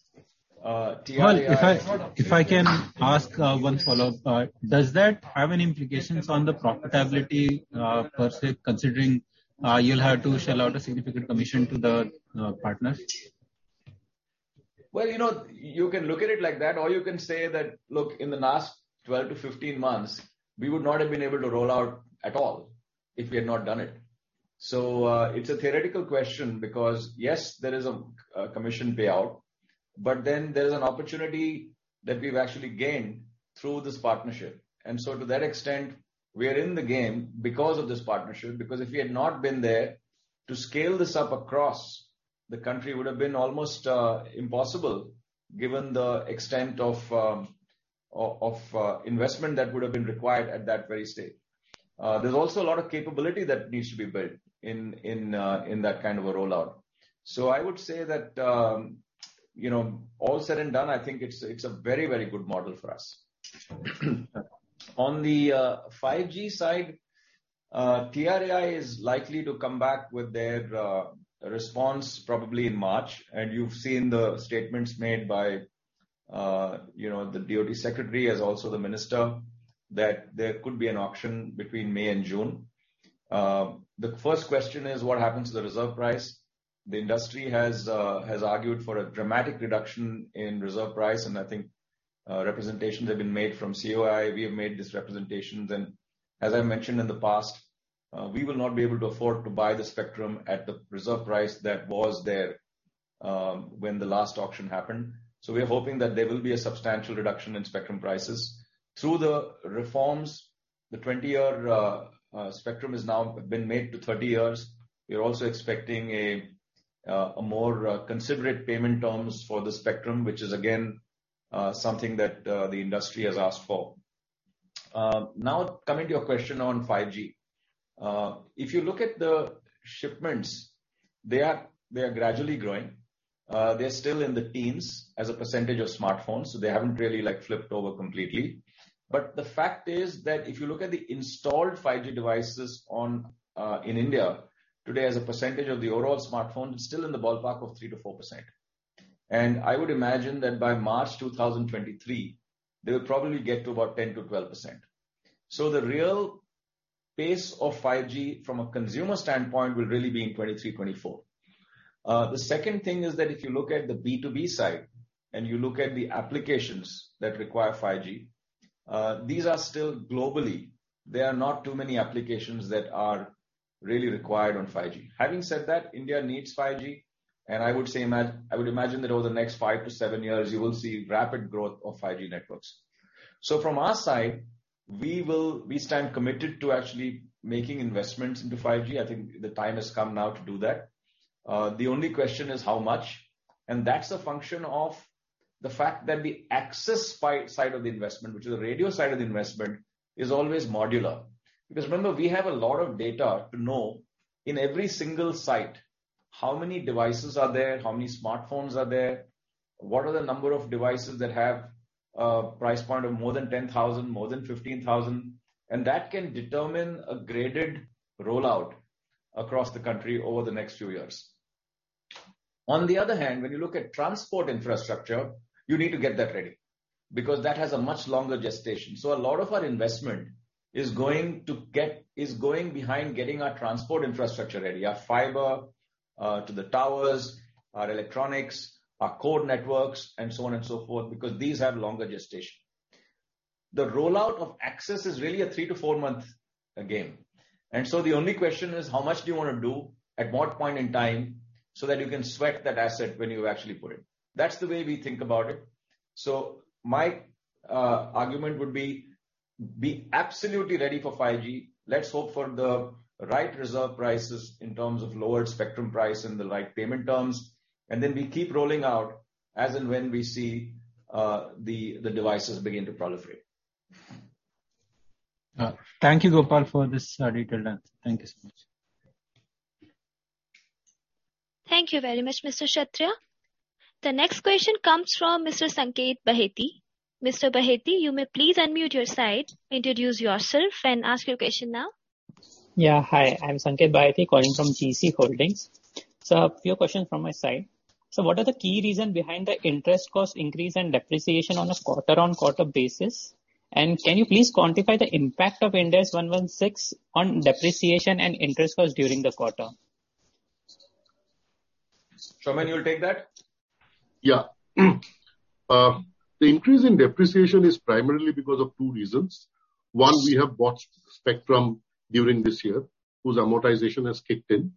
[SPEAKER 2] TRAI.
[SPEAKER 8] Well, if I can ask one follow-up. Does that have any implications on the profitability per se, considering you'll have to shell out a significant commission to the partners?
[SPEAKER 2] Well, you know, you can look at it like that or you can say that, look, in the last 12-15 months, we would not have been able to roll out at all if we had not done it. It's a theoretical question because, yes, there is a commission payout, but then there's an opportunity that we've actually gained through this partnership. And so to that extent, we are in the game because of this partnership, because if we had not been there, to scale this up across the country would have been almost impossible given the extent of investment that would have been required at that very stage. There's also a lot of capability that needs to be built in that kind of a rollout. I would say that, you know, all said and done, I think it's a very, very good model for us. On the 5G side, TRAI is likely to come back with their response probably in March. You've seen the statements made by, you know, the DoT secretary as also the minister that there could be an auction between May and June. The first question is what happens to the reserve price? The industry has argued for a dramatic reduction in reserve price, and I think representations have been made from COAI. We have made these representations. As I mentioned in the past, we will not be able to afford to buy the spectrum at the reserve price that was there when the last auction happened. We are hoping that there will be a substantial reduction in spectrum prices. Through the reforms, the 20-year spectrum has now been made to 30 years. We are also expecting a more considerate payment terms for the spectrum, which is again something that the industry has asked for. Now coming to your question on 5G. If you look at the shipments, they are gradually growing. They're still in the teens as a percentage of smartphones, so they haven't really like flipped over completely. But the fact is that if you look at the installed 5G devices in India today as a percentage of the overall smartphones, it's still in the ballpark of 3%-4%. I would imagine that by March 2023, they will probably get to about 10%-12%. The real
[SPEAKER 6] Base of 5G from a consumer standpoint will really be in 2023, 2024. The second thing is that if you look at the B2B side and you look at the applications that require 5G, these are still globally, there are not too many applications that are really required on 5G. Having said that, India needs 5G, and I would say I would imagine that over the next five to seven years you will see rapid growth of 5G networks. From our side, we stand committed to actually making investments into 5G. I think the time has come now to do that. The only question is how much, and that's a function of the fact that the access side of the investment, which is the radio side of the investment, is always modular. Because remember, we have a lot of data to know in every single site how many devices are there, how many smartphones are there, what are the number of devices that have price point of more than 10,000, more than 15,000, and that can determine a graded rollout across the country over the next few years. On the other hand, when you look at transport infrastructure, you need to get that ready because that has a much longer gestation. A lot of our investment is going behind getting our transport infrastructure ready, our fiber to the towers, our electronics, our core networks, and so on and so forth, because these have longer gestation. The rollout of access is really a 3-4-month game. The only question is how much do you wanna do, at what point in time, so that you can sweat that asset when you actually put it. That's the way we think about it. My argument would be absolutely ready for 5G. Let's hope for the right reserve prices in terms of lower spectrum price and the right payment terms. We keep rolling out as and when we see the devices begin to proliferate.
[SPEAKER 8] Thank you, Gopal, for this, detailed answer. Thank you so much.
[SPEAKER 3] Thank you very much, Mr. Kshatriya. The next question comes from Mr. Sanket Baheti. Mr. Baheti, you may please unmute your side, introduce yourself and ask your question now.
[SPEAKER 9] Yeah, hi. I'm Sanket Baheti calling from GC Holdings. A few questions from my side. What are the key reason behind the interest cost increase and depreciation on a quarter-on-quarter basis? And can you please quantify the impact of Ind AS 116 on depreciation and interest cost during the quarter?
[SPEAKER 6] Soumen, you'll take that?
[SPEAKER 10] Yeah. The increase in depreciation is primarily because of two reasons. One, we have bought spectrum during this year, whose amortization has kicked in.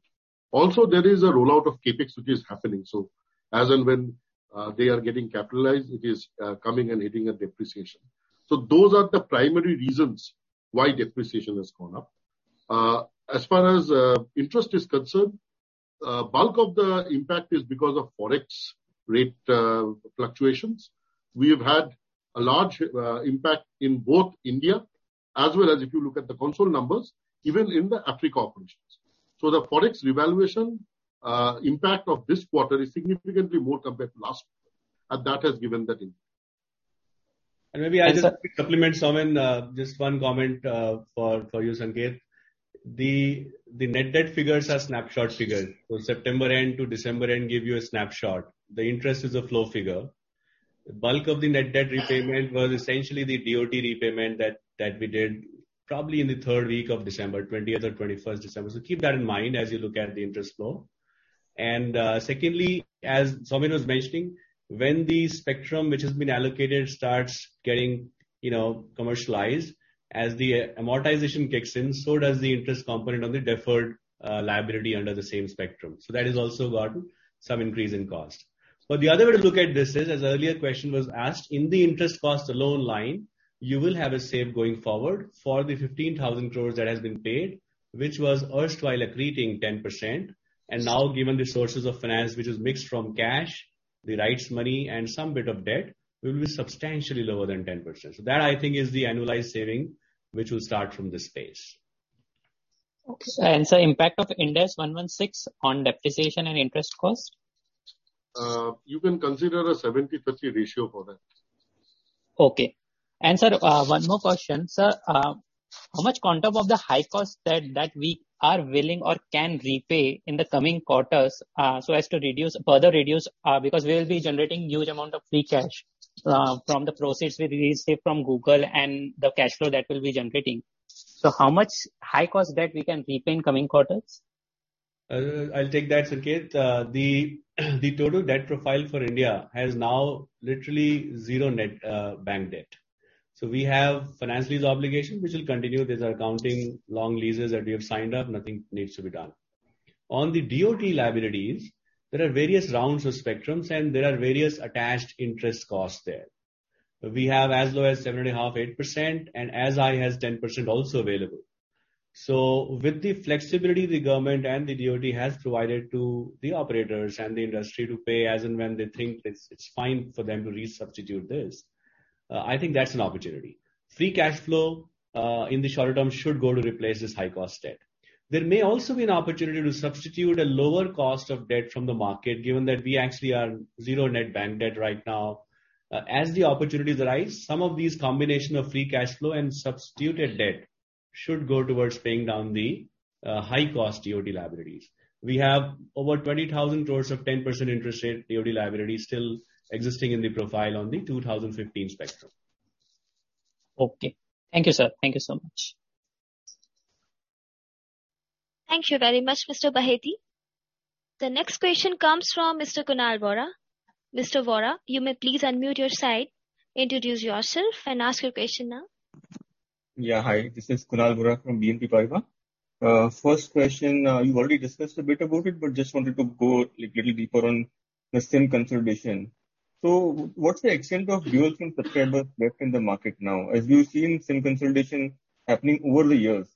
[SPEAKER 10] Also, there is a rollout of CapEx which is happening. So as and when they are getting capitalized, it is coming and hitting a depreciation. So those are the primary reasons why depreciation has gone up. As far as interest is concerned, bulk of the impact is because of Forex rate fluctuations. We have had a large impact in both India as well as if you look at the consolidated numbers, even in the Africa operations. So the Forex revaluation impact of this quarter is significantly more compared to last quarter, and that has given that impact.
[SPEAKER 6] Maybe I'll just quickly compliment Soumen, just one comment, for you, Sanket. The net debt figures are snapshot figures. September end to December end give you a snapshot. The interest is a flow figure. The bulk of the net debt repayment was essentially the DoT repayment that we did probably in the third week of December, 20th or 21st December. Keep that in mind as you look at the interest flow. Secondly, as Soumen was mentioning, when the spectrum which has been allocated starts getting, you know, commercialized, as the amortization kicks in, so does the interest component on the deferred liability under the same spectrum. That has also gotten some increase in cost. The other way to look at this is, as earlier question was asked, in the interest cost alone line, you will have a saving going forward for the 15,000 crore that has been paid, which was erstwhile accruing 10%. Now given the sources of finance which is mixed from cash, the rights money and some bit of debt, will be substantially lower than 10%. That I think is the annualized saving which will start from this phase.
[SPEAKER 9] Okay. Sir, impact of Ind AS 116 on depreciation and interest cost?
[SPEAKER 10] You can consider a 70/30 ratio for that.
[SPEAKER 9] Okay. Sir, one more question. Sir, how much quantum of the high cost debt that we are willing or can repay in the coming quarters, so as to reduce, further reduce, because we will be generating huge amount of free cash, from the proceeds we receive from Google and the cash flow that we'll be generating. How much high cost debt we can repay in coming quarters?
[SPEAKER 6] I'll take that, Sanket. The total debt profile for India has now literally 0 net bank debt. We have finance lease obligation which will continue. These are accounting long leases that we have signed up, nothing needs to be done. On the DoT liabilities, there are various rounds of spectrums and there are various attached interest costs there. We have as low as 7.5, 8%, and as high as 10% also available. With the flexibility the government and the DoT has provided to the operators and the industry to pay as and when they think it's fine for them to resubstitute this, I think that's an opportunity. Free cash flow in the shorter term should go to replace this high cost debt. There may also be an opportunity to substitute a lower cost of debt from the market given that we actually are zero net bank debt right now. As the opportunities arise, some of these combination of free cash flow and substituted debt should go towards paying down.
[SPEAKER 2] High cost DoT liabilities. We have over 20,000 crore of 10% interest rate DoT liability still existing in the profile on the 2015 spectrum.
[SPEAKER 11] Okay. Thank you, sir. Thank you so much.
[SPEAKER 3] Thank you very much, Mr. Baheti. The next question comes from Mr. Kunal Vora. Mr. Vora, you may please unmute your side, introduce yourself and ask your question now.
[SPEAKER 12] Yeah. Hi, this is Kunal Vora from BNP Paribas. First question, you've already discussed a bit about it, but just wanted to go, like, little deeper on the SIM consolidation. So what's the extent of dual SIM subscribers left in the market now, as you've seen SIM consolidation happening over the years?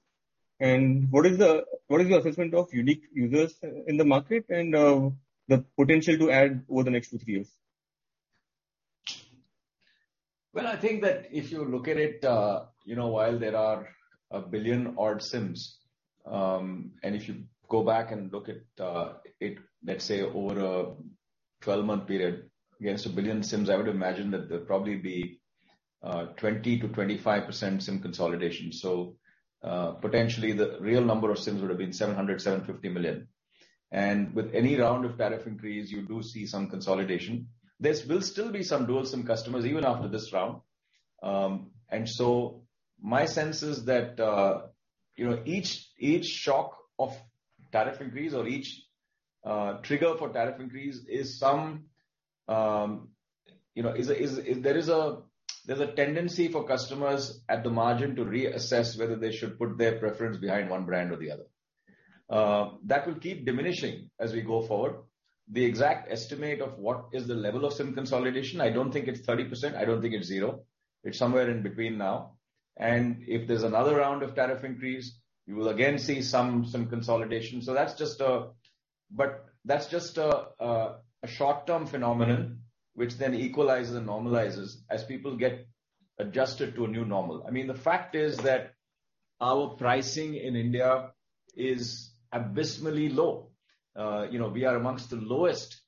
[SPEAKER 12] And what is your assessment of unique users in the market and the potential to add over the next two, three years?
[SPEAKER 2] Well, I think that if you look at it, you know, while there are 1 billion-odd SIMs, and if you go back and look at it, let's say, over a 12-month period against 1 billion SIMs, I would imagine that there'd probably be 20%-25% SIM consolidation. So, potentially the real number of SIMs would have been 700-750 million. And with any round of tariff increase, you do see some consolidation. There will still be some dual SIM customers even after this round. And so my sense is that, you know, each shock of tariff increase or each trigger for tariff increase is. There is a tendency for customers at the margin to reassess whether they should put their preference behind one brand or the other. That will keep diminishing as we go forward. The exact estimate of what is the level of SIM consolidation, I don't think it's 30%, I don't think it's 0%. It's somewhere in between now. If there's another round of tariff increase, you will again see some consolidation. That's just a short-term phenomenon which then equalizes and normalizes as people get adjusted to a new normal. I mean, the fact is that our pricing in India is abysmally low. You know, we are among the lowest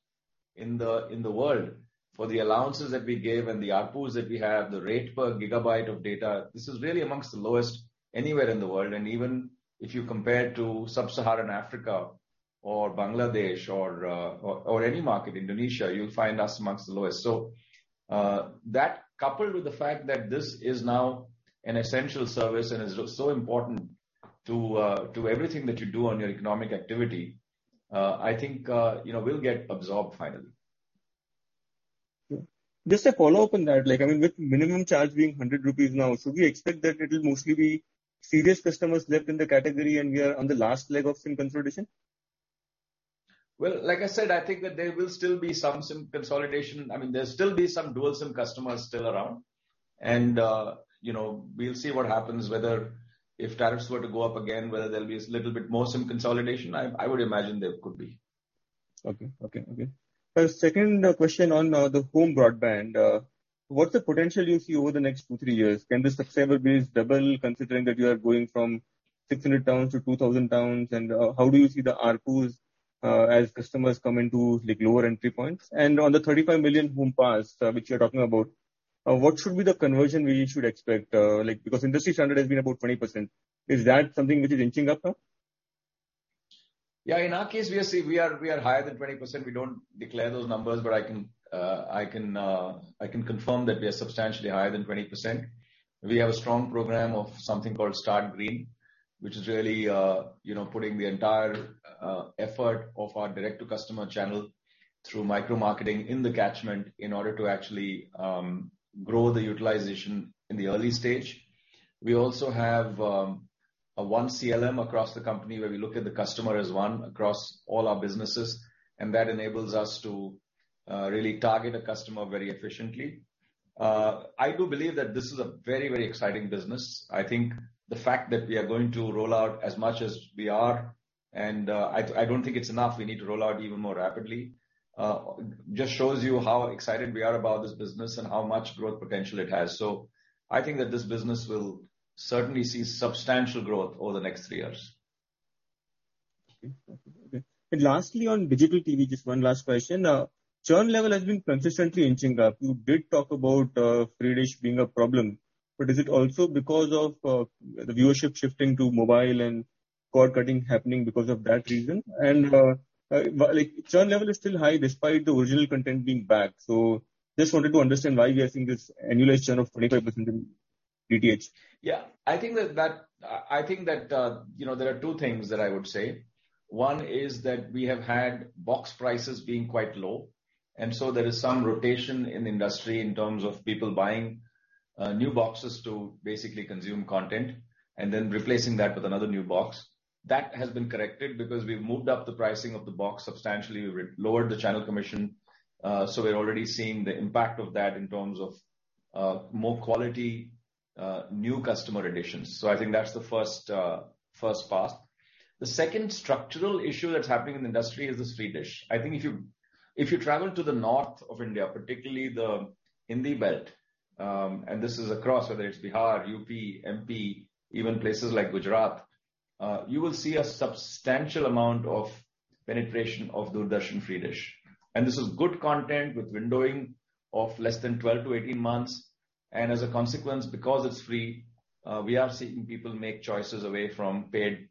[SPEAKER 2] in the world for the allowances that we give and the ARPUs that we have, the rate per gigabyte of data. This is really among the lowest anywhere in the world, and even if you compare to Sub-Saharan Africa or Bangladesh or any market, Indonesia, you'll find us among the lowest. That coupled with the fact that this is now an essential service and is so important to everything that you do on your economic activity, I think, you know, will get absorbed finally.
[SPEAKER 12] Just a follow-up on that. Like, I mean, with minimum charge being 100 rupees now, should we expect that it'll mostly be serious customers left in the category and we are on the last leg of SIM consolidation?
[SPEAKER 2] Well, like I said, I think that there will still be some SIM consolidation. I mean, there'll still be some dual SIM customers still around. You know, we'll see what happens whether tariffs were to go up again, whether there'll be a little bit more SIM consolidation. I would imagine there could be.
[SPEAKER 12] Okay. Second question on the home broadband. What's the potential you see over the next two-three years? Can the subscriber base double considering that you are going from 600 towns to 2,000 towns? How do you see the ARPUs as customers come into, like, lower entry points? On the 35 million home pass, which you're talking about, what should be the conversion we should expect? Like, because industry standard has been about 20%. Is that something which is inching up now?
[SPEAKER 2] Yeah. In our case, we are higher than 20%. We don't declare those numbers, but I can confirm that we are substantially higher than 20%. We have a strong program of something called Start Green, which is really, you know, putting the entire effort of our direct to customer channel through micro-marketing in the catchment in order to actually grow the utilization in the early stage. We also have a one CLM across the company, where we look at the customer as one across all our businesses, and that enables us to really target a customer very efficiently. I do believe that this is a very, very exciting business. I think the fact that we are going to roll out as much as we are, and, I don't think it's enough, we need to roll out even more rapidly, just shows you how excited we are about this business and how much growth potential it has. I think that this business will certainly see substantial growth over the next three years.
[SPEAKER 12] Okay. Lastly, on digital TV, just one last question. Churn level has been consistently inching up. You did talk about free dish being a problem, but is it also because of the viewership shifting to mobile and cord cutting happening because of that reason? Like, churn level is still high despite the original content being back. Just wanted to understand why we are seeing this annualized churn of 25% in DTH.
[SPEAKER 2] Yeah. I think that you know, there are two things that I would say. One is that we have had box prices being quite low, and so there is some rotation in the industry in terms of people buying new boxes to basically consume content and then replacing that with another new box. That has been corrected because we've moved up the pricing of the box substantially. We re-lowered the channel commission, so we're already seeing the impact of that in terms of more quality new customer additions. So I think that's the first part. The second structural issue that's happening in the industry is this free dish. I think if you travel to the north of India, particularly the Hindi belt, and this is across whether it's Bihar, UP, MP, even places like Gujarat, you will see a substantial amount of penetration of Doordarshan Free Dish. As a consequence, because it's free, we are seeing people make choices away from paid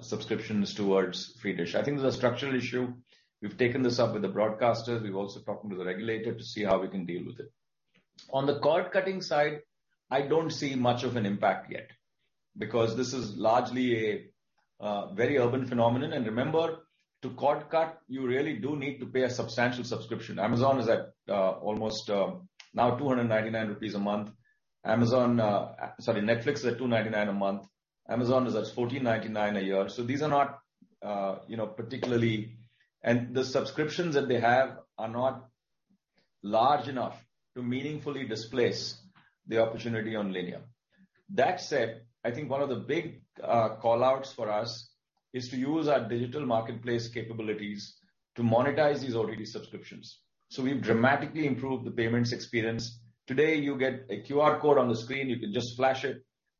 [SPEAKER 2] subscriptions towards Free Dish. I think it's a structural issue. We've taken this up with the broadcasters. We've also spoken to the regulator to see how we can deal with it. On the cord-cutting side, I don't see much of an impact yet because this is largely a very urban phenomenon. Remember, to cord cut, you really do need to pay a substantial subscription. Amazon is at almost now 299 rupees a month. Amazon, sorry, Netflix is at 299 a month. Amazon is at 1,499 a year. These are not you know particularly. The subscriptions that they have are not large enough to meaningfully displace the opportunity on linear. That said, I think one of the big call-outs for us is to use our digital marketplace capabilities to monetize these OTT subscriptions. We've dramatically improved the payments experience. Today you get a QR code on the screen, you can just flash it,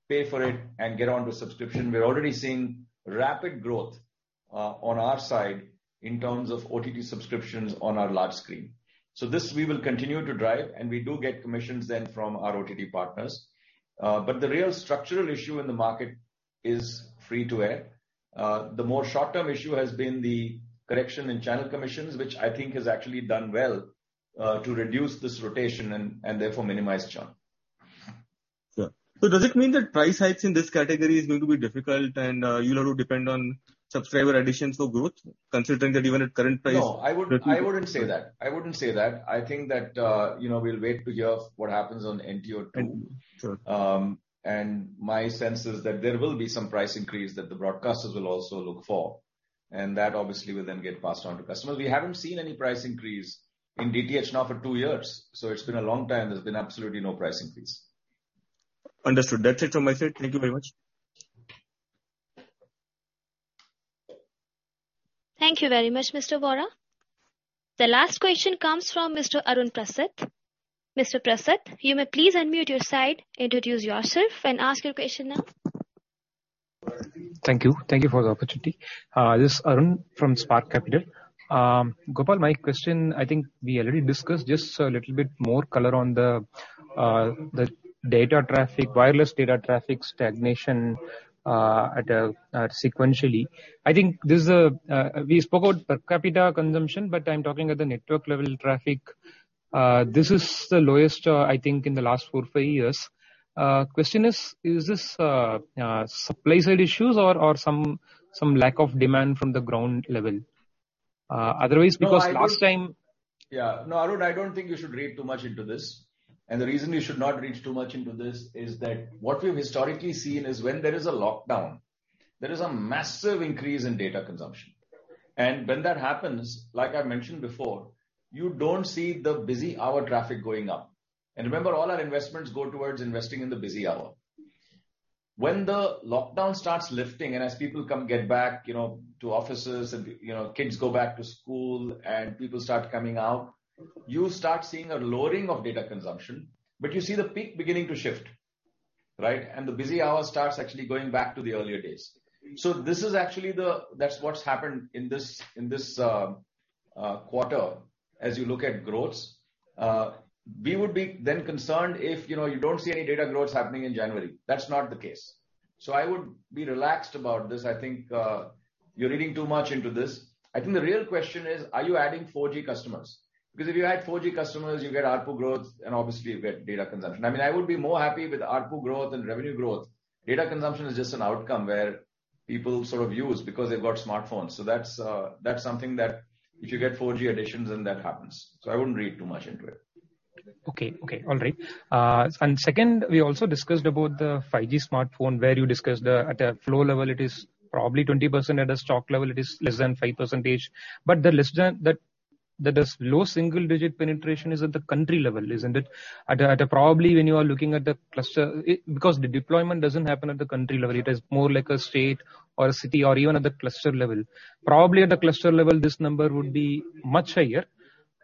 [SPEAKER 2] pay for it, and get on with subscription. We're already seeing rapid growth on our side in terms of OTT subscriptions on our large screen. This we will continue to drive and we do get commissions then from our OTT partners. The real structural issue in the market is free-to-air. The more short-term issue has been the correction in channel commissions, which I think has actually done well to reduce this rotation and therefore minimize churn.
[SPEAKER 12] Sure. Does it mean that price hikes in this category is going to be difficult and, you'll have to depend on subscriber additions for growth, considering that even at current price-
[SPEAKER 2] No, I wouldn't say that. I wouldn't say that. I think that, you know, we'll wait to hear what happens on NTO 2.0.
[SPEAKER 12] Sure.
[SPEAKER 2] My sense is that there will be some price increase that the broadcasters will also look for. That obviously will then get passed on to customers. We haven't seen any price increase in DTH now for two years, so it's been a long time, there's been absolutely no price increase.
[SPEAKER 12] Understood. That's it from my side. Thank you very much.
[SPEAKER 3] Thank you very much, Mr. Vora. The last question comes from Mr. Arun Prasath. Mr. Prasath, you may please unmute your side, introduce yourself and ask your question now.
[SPEAKER 13] Thank you for the opportunity. This is Arun from Spark Capital. Gopal, my question, I think we already discussed, just a little bit more color on the data traffic, wireless data traffic stagnation sequentially. I think we spoke about per capita consumption, but I'm talking at the network level traffic. This is the lowest I think in the last four, five years. Question is this supply side issues or some lack of demand from the ground level? Otherwise, because last time-
[SPEAKER 2] No, Arun, I don't think you should read too much into this. The reason you should not read too much into this is that what we've historically seen is when there is a lockdown, there is a massive increase in data consumption. When that happens, like I mentioned before, you don't see the busy hour traffic going up. Remember, all our investments go towards investing in the busy hour. When the lockdown starts lifting and as people come back, you know, to offices and, you know, kids go back to school and people start coming out, you start seeing a lowering of data consumption, but you see the peak beginning to shift, right? The busy hour starts actually going back to the earlier days. This is actually the That's what's happened in this quarter as you look at growth. We would be then concerned if, you know, you don't see any data growth happening in January. That's not the case. I would be relaxed about this. I think, you're reading too much into this. I think the real question is, are you adding 4G customers? Because if you add 4G customers, you get ARPU growth and obviously you get data consumption. I mean, I would be more happy with ARPU growth and revenue growth. Data consumption is just an outcome where people sort of use because they've got smartphones. That's something that if you get 4G additions, then that happens. I wouldn't read too much into it.
[SPEAKER 13] All right. Second, we also discussed the 5G smartphone, where you discussed at a flow level it is probably 20%, at a stock level it is less than 5%. The less than that is low single digit penetration is at the country level, isn't it? Probably when you are looking at the cluster, because the deployment doesn't happen at the country level, it is more like a state or a city or even at the cluster level. Probably at the cluster level this number would be much higher.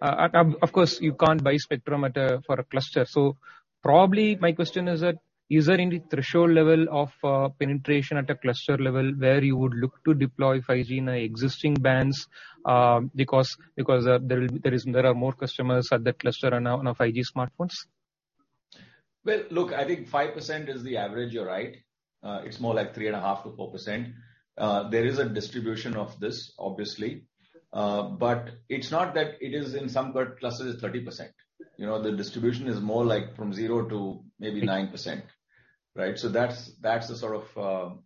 [SPEAKER 13] Of course you can't buy spectrum for a cluster. Probably my question is that, is there any threshold level of penetration at a cluster level where you would look to deploy 5G in an existing bands, because there are more customers at that cluster are now on 5G smartphones?
[SPEAKER 2] Well, look, I think 5% is the average, you're right. It's more like 3.5%-4%. There is a distribution of this, obviously. But it's not that it is in some clusters 30%. You know, the distribution is more like from 0% to maybe 9%, right? So that's the sort of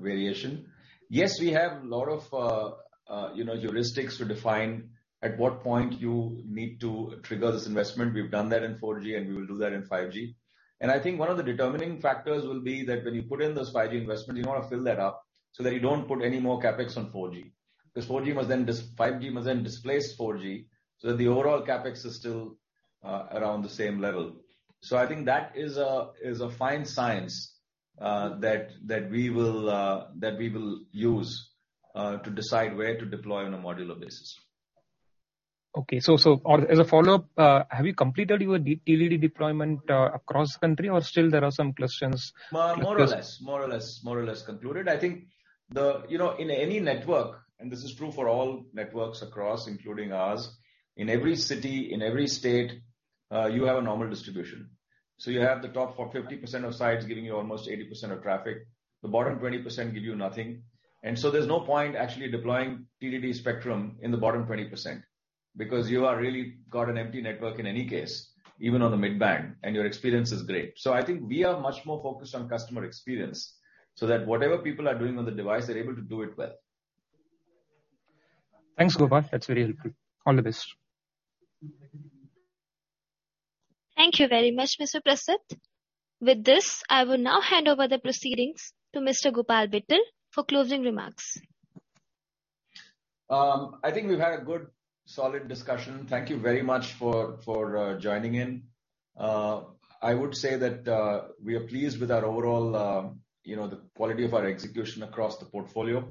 [SPEAKER 2] variation. Yes, we have a lot of, you know, heuristics to define at what point you need to trigger this investment. We've done that in 4G and we will do that in 5G. I think one of the determining factors will be that when you put in those 5G investments, you want to fill that up so that you don't put any more CapEx on 4G. Because 5G must then displace 4G so that the overall CapEx is still around the same level. I think that is a fine science that we will use to decide where to deploy on a modular basis.
[SPEAKER 13] As a follow-up, have you completed your TDD deployment across country or still there are some questions?
[SPEAKER 2] More or less concluded. I think you know, in any network, and this is true for all networks across including ours, in every city, in every state, you have a normal distribution. You have the top 40-50% of sites giving you almost 80% of traffic. The bottom 20% give you nothing. There's no point actually deploying TDD spectrum in the bottom 20% because you really got an empty network in any case, even on the midband, and your experience is great. I think we are much more focused on customer experience, so that whatever people are doing on the device, they're able to do it well.
[SPEAKER 13] Thanks, Gopal. That's very helpful. All the best.
[SPEAKER 3] Thank you very much, Mr. Prasath. With this, I will now hand over the proceedings to Mr. Gopal Vittal for closing remarks.
[SPEAKER 2] I think we've had a good solid discussion. Thank you very much for joining in. I would say that we are pleased with our overall, you know, the quality of our execution across the portfolio.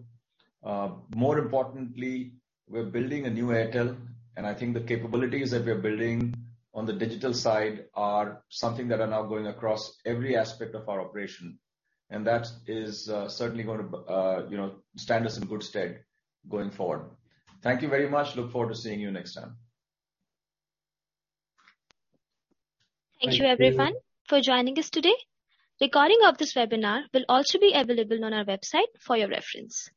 [SPEAKER 2] More importantly, we're building a new Airtel, and I think the capabilities that we are building on the digital side are something that are now going across every aspect of our operation. That is certainly gonna, you know, stand us in good stead going forward. Thank you very much. Look forward to seeing you next time.
[SPEAKER 3] Thank you everyone for joining us today. Recording of this webinar will also be available on our website for your reference.